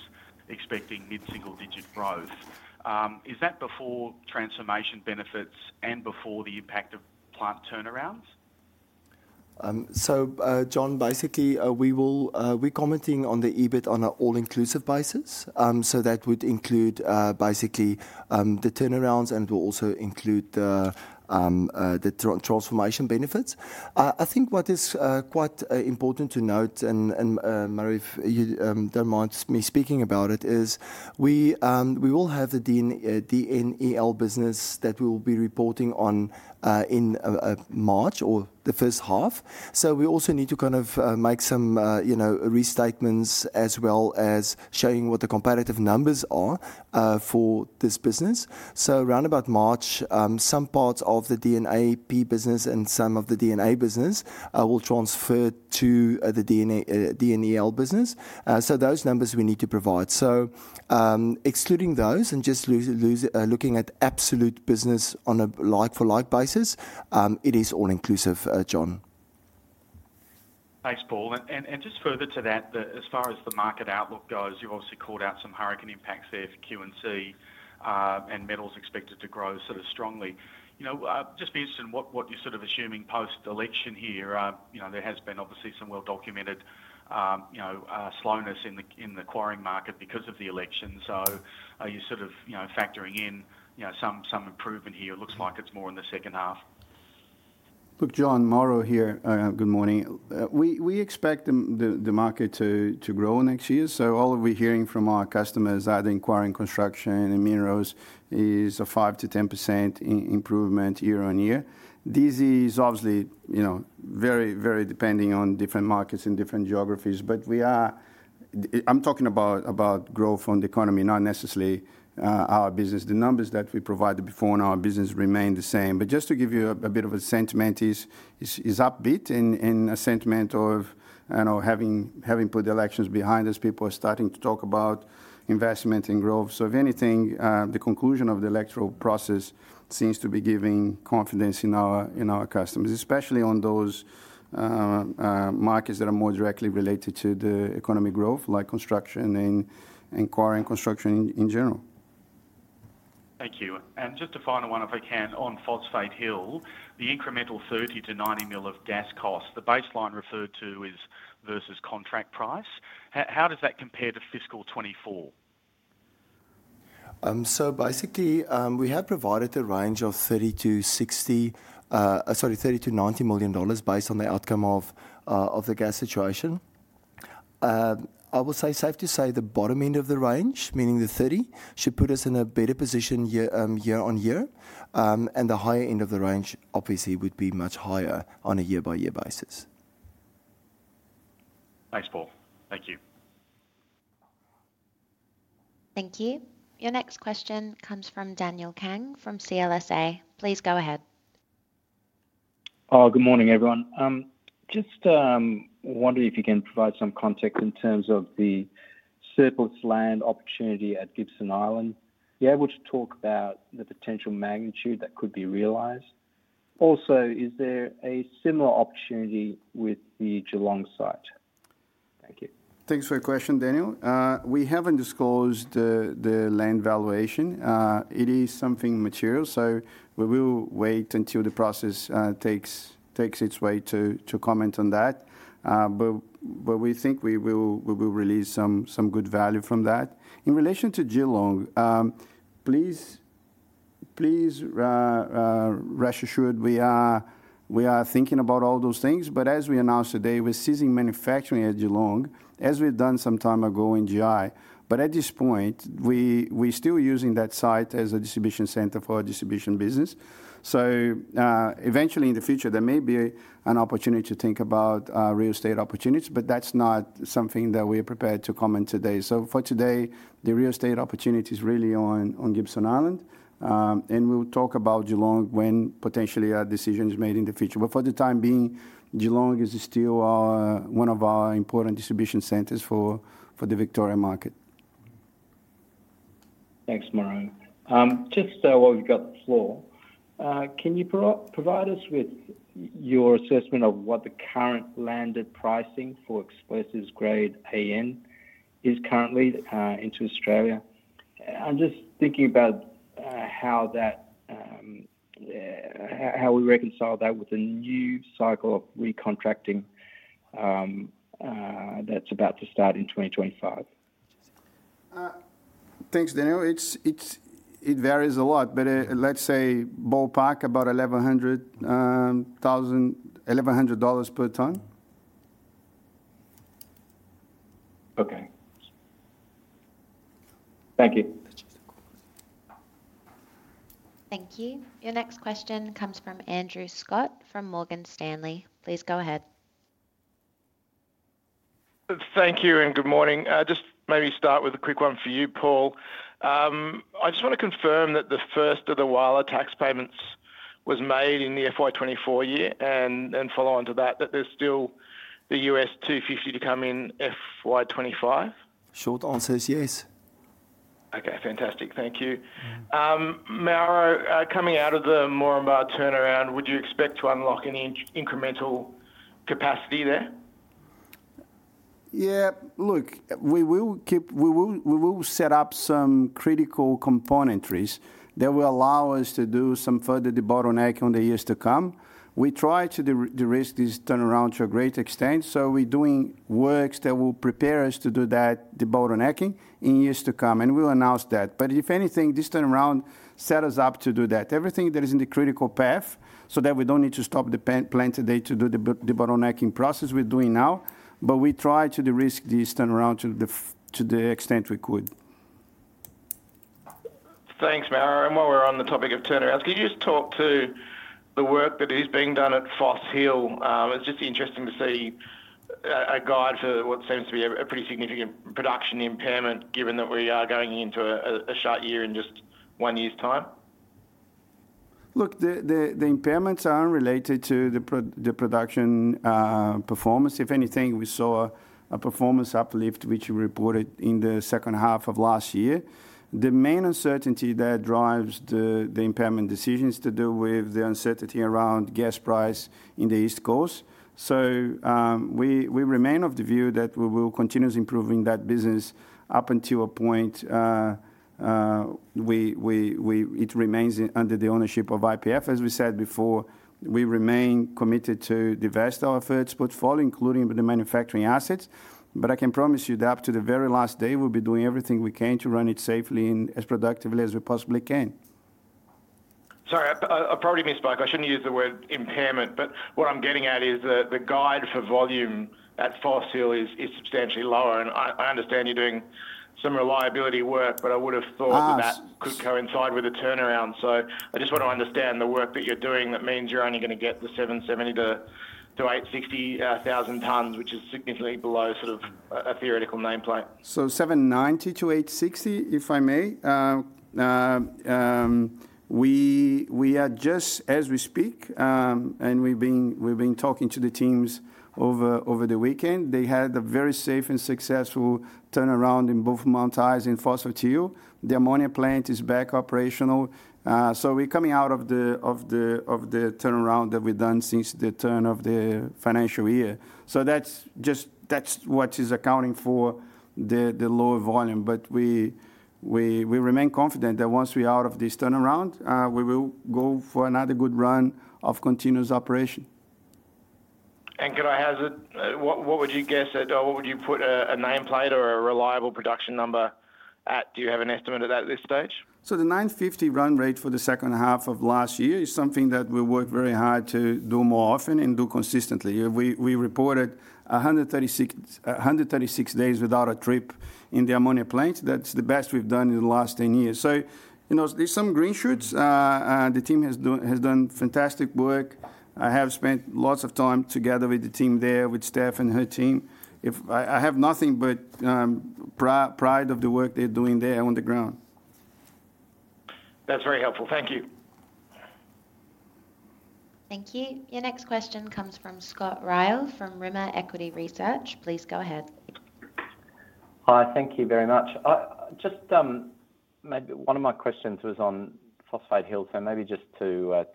S7: expecting mid-single-digit growth. Is that before transformation benefits and before the impact of plant turnarounds?
S3: So John, basically, we're commenting on the EBIT on an all-inclusive basis. So that would include basically the turnarounds, and it will also include the transformation benefits. I think what is quite important to note, and Mauro, if you don't mind me speaking about it, is we will have the DNEL business that we will be reporting on in March or the first half. So we also need to kind of make some restatements as well as showing what the comparative numbers are for this business. So around about March, some parts of the DNAP business and some of the DNA business will transfer to the DNEL business. So those numbers we need to provide. So excluding those and just looking at absolute business on a like-for-like basis, it is all-inclusive, John.
S7: Thanks, Paul. And just further to that, as far as the market outlook goes, you've obviously called out some hurricane impacts there for Q&C and metals expected to grow sort of strongly. Just be interested in what you're sort of assuming post-election here. There has been obviously some well-documented slowness in the quarrying market because of the election. So you're sort of factoring in some improvement here. It looks like it's more in the second half.
S2: Look, John, Mauro here. Good morning. We expect the market to grow next year. So all that we're hearing from our customers are the inquiries in construction and minerals is a 5%-10% improvement year on year. This is obviously very, very dependent on different markets and different geographies. But I'm talking about growth in the economy, not necessarily our business. The numbers that we provided before on our business remain the same. But just to give you a bit of a sentiment is upbeat in a sentiment of having put the elections behind us, people are starting to talk about investment and growth. So if anything, the conclusion of the electoral process seems to be giving confidence in our customers, especially on those markets that are more directly related to the economic growth, like construction and quarrying construction in general.
S7: Thank you. And just a final one, if I can, on Phosphate Hill, the incremental 30 million-90 million of gas costs, the baseline referred to is versus contract price. How does that compare to fiscal 2024?
S3: So basically, we have provided a range of 30 million-90 million dollars based on the outcome of the gas situation. I will say safe to say the bottom end of the range, meaning the 30, should put us in a better position year on year. And the higher end of the range, obviously, would be much higher on a year-by-year basis.
S7: Thanks, Paul. Thank you.
S4: Thank you. Your next question comes from Daniel Kang from CLSA. Please go ahead.
S8: Good morning, everyone. Just wondering if you can provide some context in terms of the surplus land opportunity at Gibson Island. You're able to talk about the potential magnitude that could be realized. Also, is there a similar opportunity with the Geelong site? Thank you.
S2: Thanks for your question, Daniel. We haven't disclosed the land valuation. It is something material. So we will wait until the process takes its way to comment on that. But we think we will release some good value from that. In relation to Geelong, please rest assured we are thinking about all those things. But as we announced today, we're ceasing manufacturing at Geelong, as we've done some time ago in GI. But at this point, we're still using that site as a distribution center for our distribution business. So eventually, in the future, there may be an opportunity to think about real estate opportunities, but that's not something that we're prepared to comment today. So for today, the real estate opportunity is really on Gibson Island. And we'll talk about Geelong when potentially a decision is made in the future. But for the time being, Geelong is still one of our important distribution centers for the Victoria market.
S8: Thanks, Mauro. Just while we've got the floor, can you provide us with your assessment of what the current landed pricing for explosives grade AN is currently into Australia? I'm just thinking about how we reconcile that with the new cycle of recontracting that's about to start in 2025.
S2: Thanks, Daniel. It varies a lot, but let's say ballpark about $1,100 per tonne.
S8: Okay. Thank you.
S4: Thank you. Your next question comes from Andrew Scott from Morgan Stanley. Please go ahead.
S9: Thank you and good morning. Just maybe start with a quick one for you, Paul. I just want to confirm that the first of the WALA tax payments was made in the FY24 year and, follow on to that, that there's still the US$250 to come in FY25?
S2: Short answer is yes.
S9: Okay. Fantastic. Thank you. Mauro, coming out of the Moranbah turnaround, would you expect to unlock any incremental capacity there?
S2: Yeah. Look, we will set up some critical components that will allow us to do some further debottlenecking in the years to come. We try to direct this turnaround to a great extent. So we're doing works that will prepare us to do that debottlenecking in years to come, and we'll announce that. But if anything, this turnaround set us up to do that. Everything that is in the critical path so that we don't need to stop the plant today to do the de-bottlenecking process we're doing now. But we try to direct this turnaround to the extent we could.
S9: Thanks, Mauro. While we're on the topic of turnarounds, could you just talk to the work that is being done at Phosphate Hill? It's just interesting to see a guide for what seems to be a pretty significant production impairment, given that we are going into a shut year in just one year's time.
S2: Look, the impairments aren't related to the production performance. If anything, we saw a performance uplift which we reported in the second half of last year. The main uncertainty that drives the impairment decisions to do with the uncertainty around gas price in the East Coast. We remain of the view that we will continue improving that business up until a point it remains under the ownership of IPF. As we said before, we remain committed to the vast of our fertilizers portfolio, including the manufacturing assets. I can promise you that up to the very last day, we'll be doing everything we can to run it safely and as productively as we possibly can.
S9: Sorry, I probably misspoke. I shouldn't use the word impairment. What I'm getting at is the guide for volume at Phosphate Hill is substantially lower. I understand you're doing some reliability work, but I would have thought that that could coincide with a turnaround. I just want to understand the work that you're doing. That means you're only going to get the 770-860,000 tons, which is significantly below sort of a theoretical nameplate.
S2: 790-860, if I may. We are just as we speak, and we've been talking to the teams over the weekend. They had a very safe and successful turnaround in both Mount Isa and Phosphate Hill. The ammonia plant is back operational. We're coming out of the turnaround that we've done since the turn of the financial year. That's what is accounting for the low volume. But we remain confident that once we're out of this turnaround, we will go for another good run of continuous operation.
S9: Could I hazard, what would you guess at what would you put a nameplate or a reliable production number at? Do you have an estimate at that at this stage?
S2: The 950 run rate for the second half of last year is something that we worked very hard to do more often and do consistently. We reported 136 days without a trip in the ammonia plant. That's the best we've done in the last 10 years. So there's some green shoots. The team has done fantastic work. I have spent lots of time together with the team there, with Steph and her team. I have nothing but pride of the work they're doing there on the ground.
S9: That's very helpful. Thank you.
S4: Thank you. Your next question comes from Scott Ryall from Rimor Equity Research. Please go ahead.
S10: Hi. Thank you very much. Just maybe one of my questions was on Phosphate Hill, so maybe just to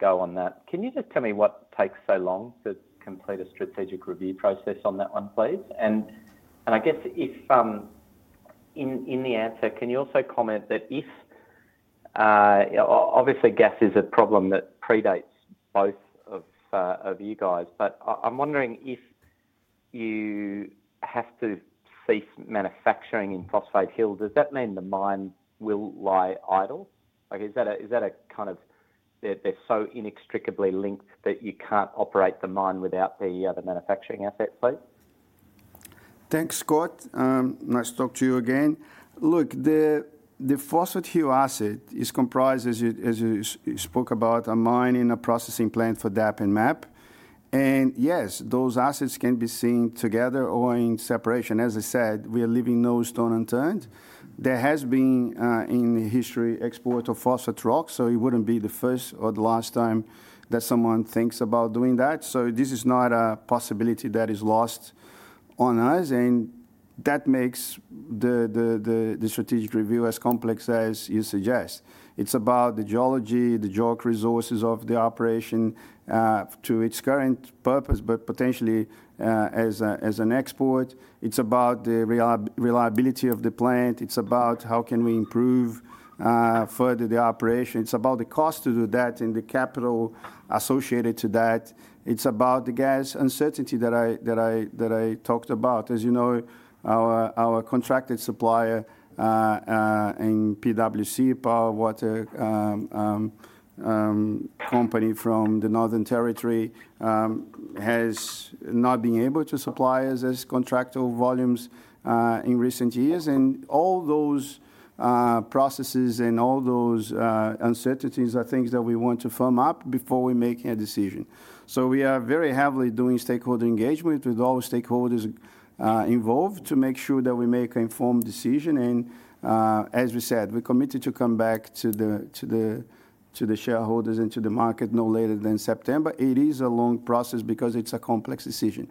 S10: go on that. Can you just tell me what takes so long to complete a strategic review process on that one, please? I guess in the answer, can you also comment that if obviously gas is a problem that predates both of you guys, but I'm wondering if you have to cease manufacturing in Phosphate Hill, does that mean the mine will lie idle? Is that a kind of they're so inextricably linked that you can't operate the mine without the other manufacturing assets, please?
S2: Thanks, Scott. Nice to talk to you again. Look, the Phosphate Hill asset is comprised, as you spoke about, a mine and a processing plant for DAP and MAP. Yes, those assets can be seen together or in separation. As I said, we are leaving no stone unturned. There has been in history export of phosphate rocks, so it wouldn't be the first or the last time that someone thinks about doing that. This is not a possibility that is lost on us. That makes the strategic review as complex as you suggest. It's about the geology, the geocharacteristics of the operation to its current purpose, but potentially as an export. It's about the reliability of the plant. It's about how can we improve further the operation. It's about the cost to do that and the capital associated to that. It's about the gas uncertainty that I talked about. As you know, our contracted supplier in PWC, Power and Water Corporation from the Northern Territory, has not been able to supply us as contractual volumes in recent years. All those processes and all those uncertainties are things that we want to firm up before we make a decision. We are very heavily doing stakeholder engagement with all stakeholders involved to make sure that we make an informed decision. And as we said, we're committed to come back to the shareholders and to the market no later than September. It is a long process because it's a complex decision.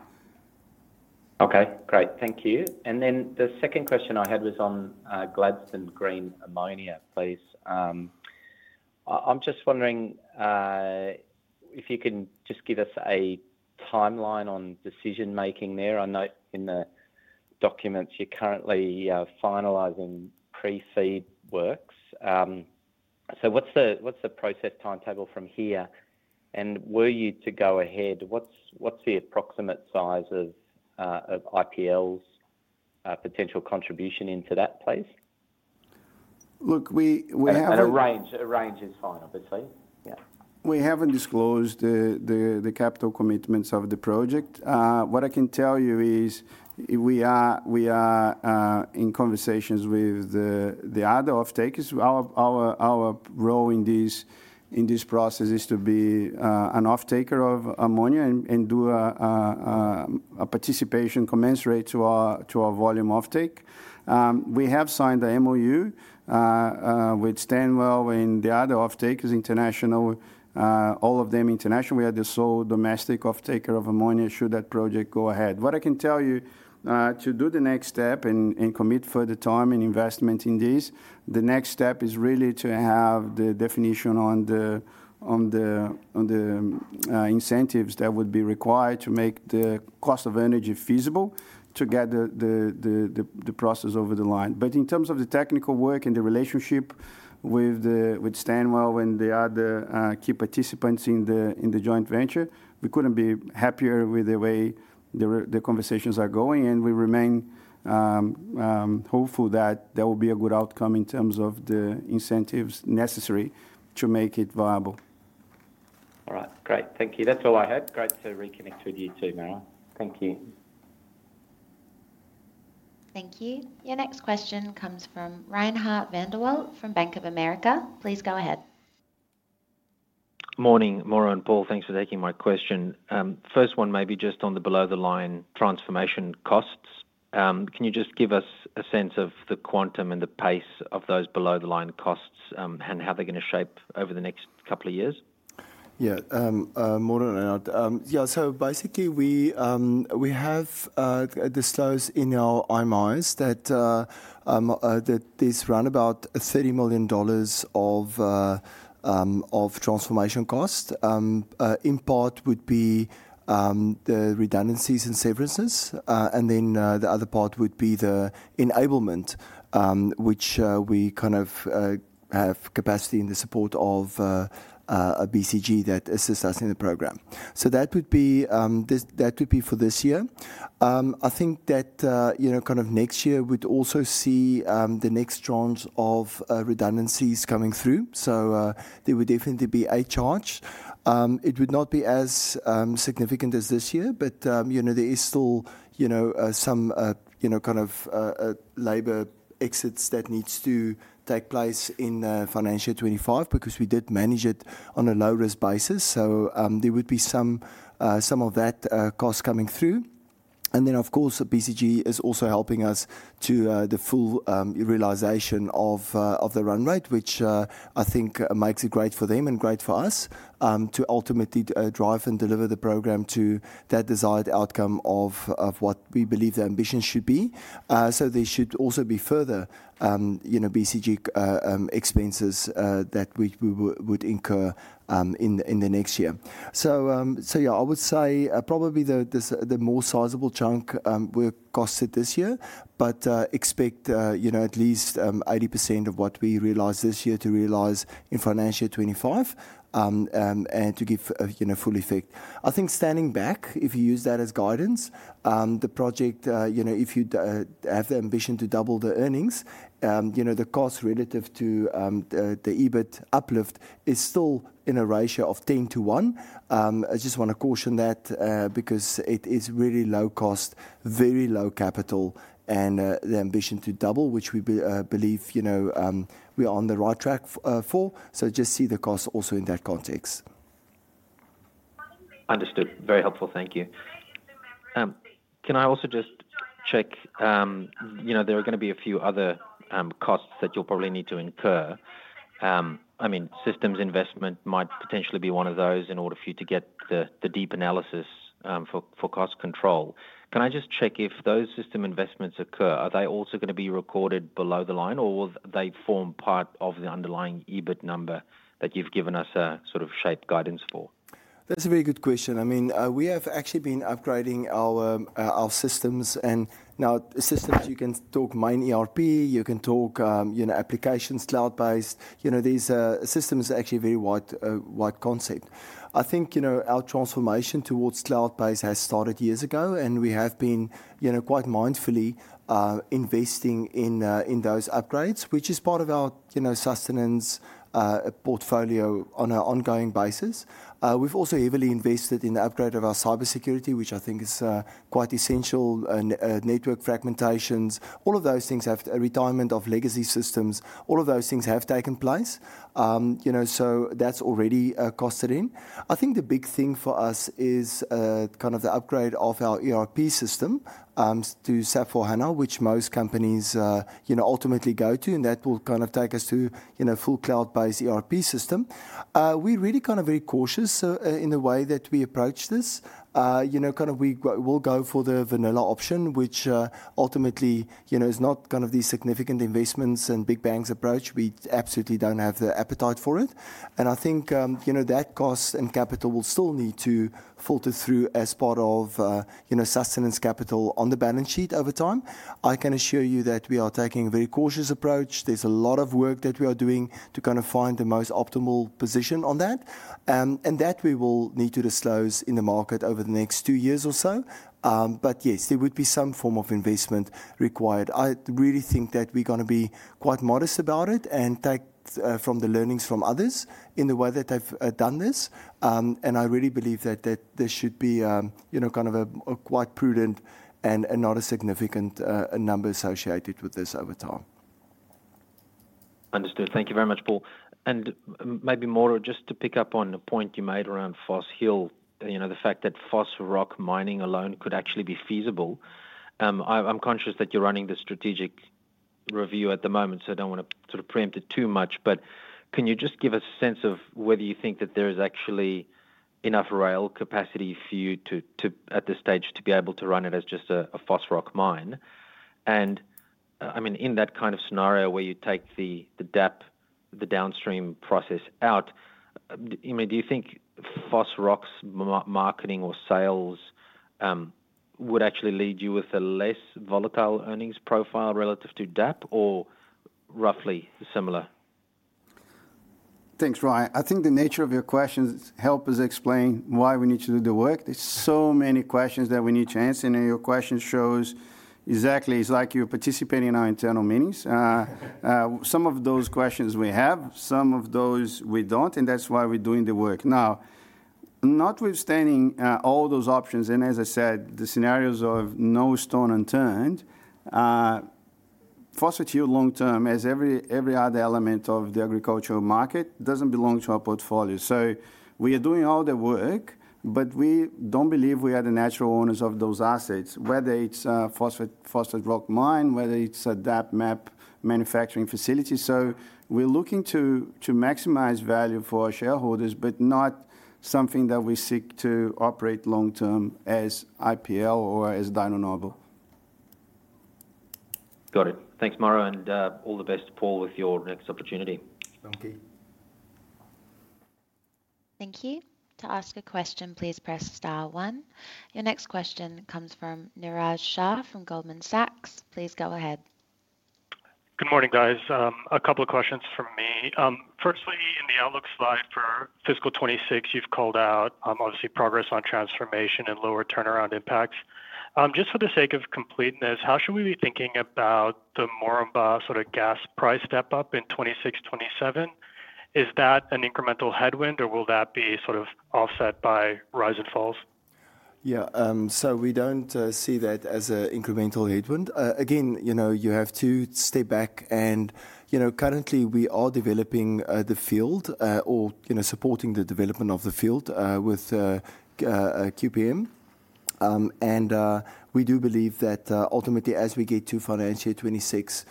S10: Okay. Great. Thank you. And then the second question I had was on Gladstone green ammonia, please. I'm just wondering if you can just give us a timeline on decision-making there. I note in the documents you're currently finalizing Pre-FEED works. So what's the process timetable from here? And were you to go ahead, what's the approximate size of IPL's potential contribution into that, please?
S2: Look, we have a range.
S10: A range is fine, obviously. Yeah.
S2: We haven't disclosed the capital commitments of the project. What I can tell you is we are in conversations with the other off-takers. Our role in this process is to be an off-taker of ammonia and do a participation commensurate to our volume off-take. We have signed the MoU with Stanwell and the other off-takers, international, all of them international. We are the sole domestic off-taker of ammonia should that project go ahead. What I can tell you to do the next step and commit further time and investment in this, the next step is really to have the definition on the incentives that would be required to make the cost of energy feasible to get the process over the line. But in terms of the technical work and the relationship with Stanwell and the other key participants in the joint venture, we couldn't be happier with the way the conversations are going. We remain hopeful that there will be a good outcome in terms of the incentives necessary to make it viable.
S10: All right. Great. Thank you. That's all I had. Great to reconnect with you too, Mauro. Thank you.
S4: Thank you. Your next question comes from Reinhardt van der Walt from Bank of America. Please go ahead.
S11: Morning, Mauro and Paul. Thanks for taking my question. First one, maybe just on the below-the-line transformation costs. Can you just give us a sense of the quantum and the pace of those below-the-line costs and how they're going to shape over the next couple of years?
S2: Yeah. Morning. Yeah. So basically, we have disclosed in our IMIs that this roundabout 30 million dollars of transformation cost, in part would be the redundancies and severances. And then the other part would be the enablement, which we kind of have capacity in the support of a BCG that assists us in the program. So that would be for this year. I think that kind of next year we'd also see the next tranche of redundancies coming through. So there would definitely be a charge. It would not be as significant as this year, but there is still some kind of labor exits that needs to take place in financial 25 because we did manage it on a low-risk basis. So there would be some of that cost coming through. And then, of course, BCG is also helping us to the full realization of the run rate, which I think makes it great for them and great for us to ultimately drive and deliver the program to that desired outcome of what we believe the ambition should be. So there should also be further BCG expenses that we would incur in the next year. So yeah, I would say probably the more sizable chunk will cost in this year, but expect at least 80% of what we realize this year to realize in financial 25 and to give full effect. I think standing back, if you use that as guidance, the project, if you have the ambition to double the earnings, the cost relative to the EBIT uplift is still in a ratio of 10 to 1. I just want to caution that because it is really low cost, very low capital, and the ambition to double, which we believe we are on the right track for. So just see the cost also in that context.
S11: Understood. Very helpful. Thank you. Can I also just check? There are going to be a few other costs that you'll probably need to incur. I mean, systems investment might potentially be one of those in order for you to get the deep analysis for cost control. Can I just check if those system investments occur? Are they also going to be recorded below the line, or will they form part of the underlying EBIT number that you've given us a sort of shaped guidance for?
S3: That's a very good question. I mean, we have actually been upgrading our systems. And our systems, you can talk main ERP, you can talk applications cloud-based. These systems are actually a very wide concept. I think our transformation towards cloud-based has started years ago, and we have been quite mindfully investing in those upgrades, which is part of our sustenance portfolio on an ongoing basis. We've also heavily invested in the upgrade of our cybersecurity, which I think is quite essential, and network fragmentations. All of those things have a retirement of legacy systems. All of those things have taken place. So that's already costed in. I think the big thing for us is kind of the upgrade of our ERP system to S/4HANA, which most companies ultimately go to, and that will kind of take us to a full cloud-based ERP system. We're really kind of very cautious in the way that we approach this. Kind of we will go for the vanilla option, which ultimately is not kind of these significant investments and big bang approach. We absolutely don't have the appetite for it, and I think that cost and capital will still need to filter through as part of sustaining capital on the balance sheet over time. I can assure you that we are taking a very cautious approach. There's a lot of work that we are doing to kind of find the most optimal position on that. That we will need to disclose in the market over the next two years or so. But yes, there would be some form of investment required. I really think that we're going to be quite modest about it and take from the learnings from others in the way that they've done this. And I really believe that there should be kind of a quite prudent and not a significant number associated with this over time.
S11: Understood. Thank you very much, Paul. Maybe Mauro, just to pick up on a point you made around Phosphate Hill, the fact that Phosphate rock mining alone could actually be feasible. I'm conscious that you're running the strategic review at the moment, so I don't want to sort of preempt it too much. But can you just give us a sense of whether you think that there is actually enough rail capacity for you at this stage to be able to run it as just a phosphate rock mine? And I mean, in that kind of scenario where you take the DAP, the downstream process out, do you think phosphate rock's marketing or sales would actually lead you with a less volatile earnings profile relative to DAP or roughly similar?
S2: Thanks, Ryan. I think the nature of your questions helps us explain why we need to do the work. There's so many questions that we need to answer, and your question shows exactly it's like you're participating in our internal meetings. Some of those questions we have, some of those we don't, and that's why we're doing the work. Now, notwithstanding all those options, and as I said, the scenarios of no stone unturned, Phosphate Hill long-term, as every other element of the agricultural market, doesn't belong to our portfolio. So we are doing all the work, but we don't believe we are the natural owners of those assets, whether it's a Phosphate Rock mine, whether it's a DAP MAP manufacturing facility. So we're looking to maximize value for our shareholders, but not something that we seek to operate long-term as IPL or as Dyno Nobel.
S11: Got it. Thanks, Mauro, and all the best, Paul, with your next opportunity.
S2: Thank you.
S4: Thank you. To ask a question, please press star one. Your next question comes from Niraj Shah from Goldman Sachs. Please go ahead. Good morning, guys. A couple of questions from me.
S12: Firstly, in the outlook slide for fiscal 26, you've called out obviously progress on transformation and lower turnaround impacts. Just for the sake of completeness, how should we be thinking about the Moranbah sort of gas price step up in 26-27? Is that an incremental headwind, or will that be sort of offset by rise and falls?
S3: Yeah. So we don't see that as an incremental headwind. Again, you have to step back. And currently, we are developing the field or supporting the development of the field with QPM. And we do believe that ultimately, as we get to financial 26,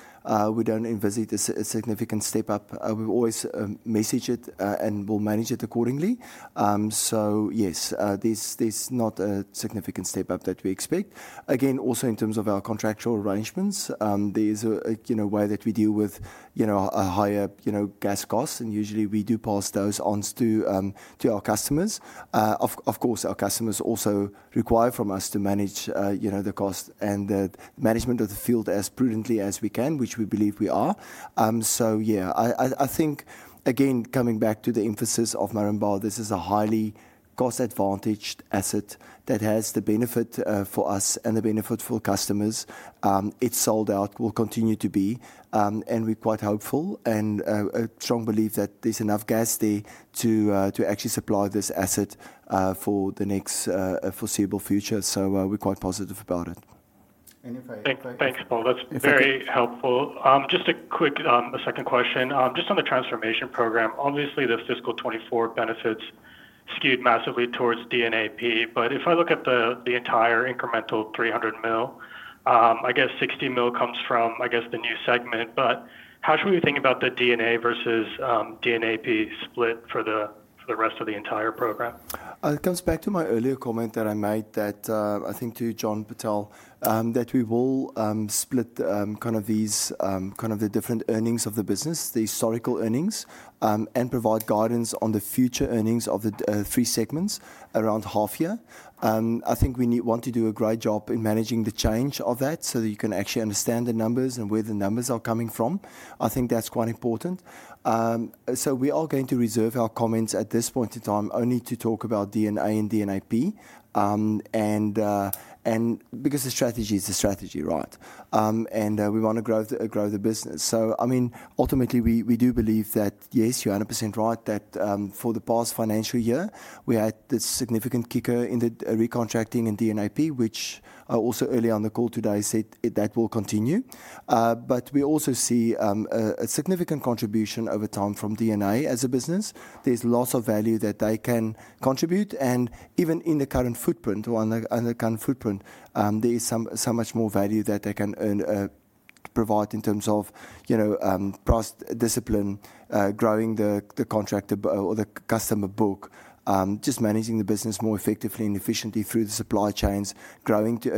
S3: we don't envisage a significant step up. We've always messaged it and will manage it accordingly. So yes, there's not a significant step up that we expect. Again, also in terms of our contractual arrangements, there's a way that we deal with higher gas costs, and usually we do pass those on to our customers. Of course, our customers also require from us to manage the cost and the management of the field as prudently as we can, which we believe we are. So yeah, I think, again, coming back to the emphasis of Moranbah, this is a highly cost-advantaged asset that has the benefit for us and the benefit for customers. It's sold out, will continue to be, and we're quite hopeful and strongly believe that there's enough gas there to actually supply this asset for the next foreseeable future. So we're quite positive about it.
S12: Thanks, Paul. That's very helpful. Just a quick second question. Just on the transformation program, obviously, the fiscal 2024 benefits skewed massively towards DNAP. But if I look at the entire incremental 300 million, I guess 60 million comes from, I guess, the new segment. But how should we think about the DNA versus DNAP split for the rest of the entire program?
S2: It comes back to my earlier comment that I made that I think to John Purtell, that we will split kind of the different earnings of the business, the historical earnings, and provide guidance on the future earnings of the three segments around half year. I think we want to do a great job in managing the change of that so that you can actually understand the numbers and where the numbers are coming from. I think that's quite important. So we are going to reserve our comments at this point in time only to talk about DNA and DNAP. And because the strategy is the strategy, right? And we want to grow the business. So I mean, ultimately, we do believe that, yes, you're 100% right that for the past financial year, we had this significant kicker in the recontracting and DNAP, which also early on the call today said that will continue. But we also see a significant contribution over time from DNA as a business. There's lots of value that they can contribute. And even in the current footprint or under current footprint, there is so much more value that they can provide in terms of price discipline, growing the contract or the customer book, just managing the business more effectively and efficiently through the supply chains, going to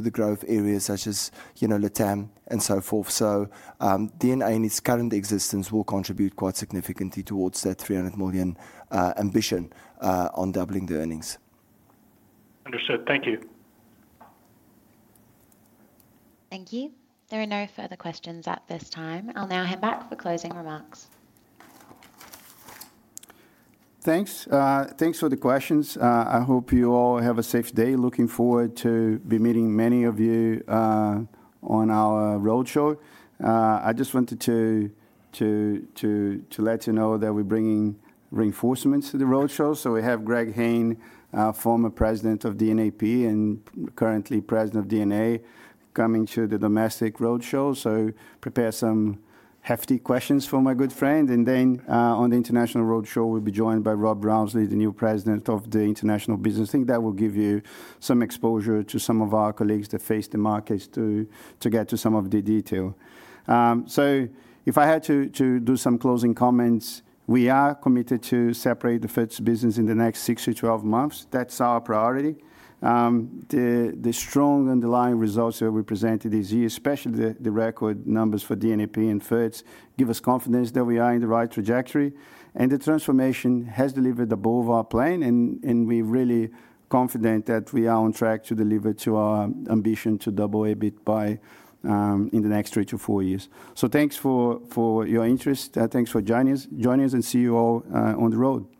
S2: the growth areas such as LATAM and so forth. So DNA and its current existence will contribute quite significantly towards that 300 million ambition on doubling the earnings.
S12: Understood. Thank you.
S4: Thank you. There are no further questions at this time. I'll now hand back for closing remarks.
S2: Thanks. Thanks for the questions. I hope you all have a safe day. Looking forward to be meeting many of you on our roadshow. I just wanted to let you know that we're bringing reinforcements to the roadshow. So we have Greg Hayne, former president of DNAP and currently president of DNA, coming to the domestic roadshow. So prepare some hefty questions for my good friend. And then on the international roadshow, we'll be joined by Rob Rounsley, the new president of the international business. I think that will give you some exposure to some of our colleagues that face the markets to get to some of the detail. So if I had to do some closing comments, we are committed to separate the FERTS business in the next 6-12 months. That's our priority. The strong underlying results that we presented this year, especially the record numbers for DNAP and FERTS, give us confidence that we are in the right trajectory. And the transformation has delivered above our plan, and we're really confident that we are on track to deliver to our ambition to double EBIT in the next three to four years. So thanks for your interest. Thanks for joining us and see you all on the road.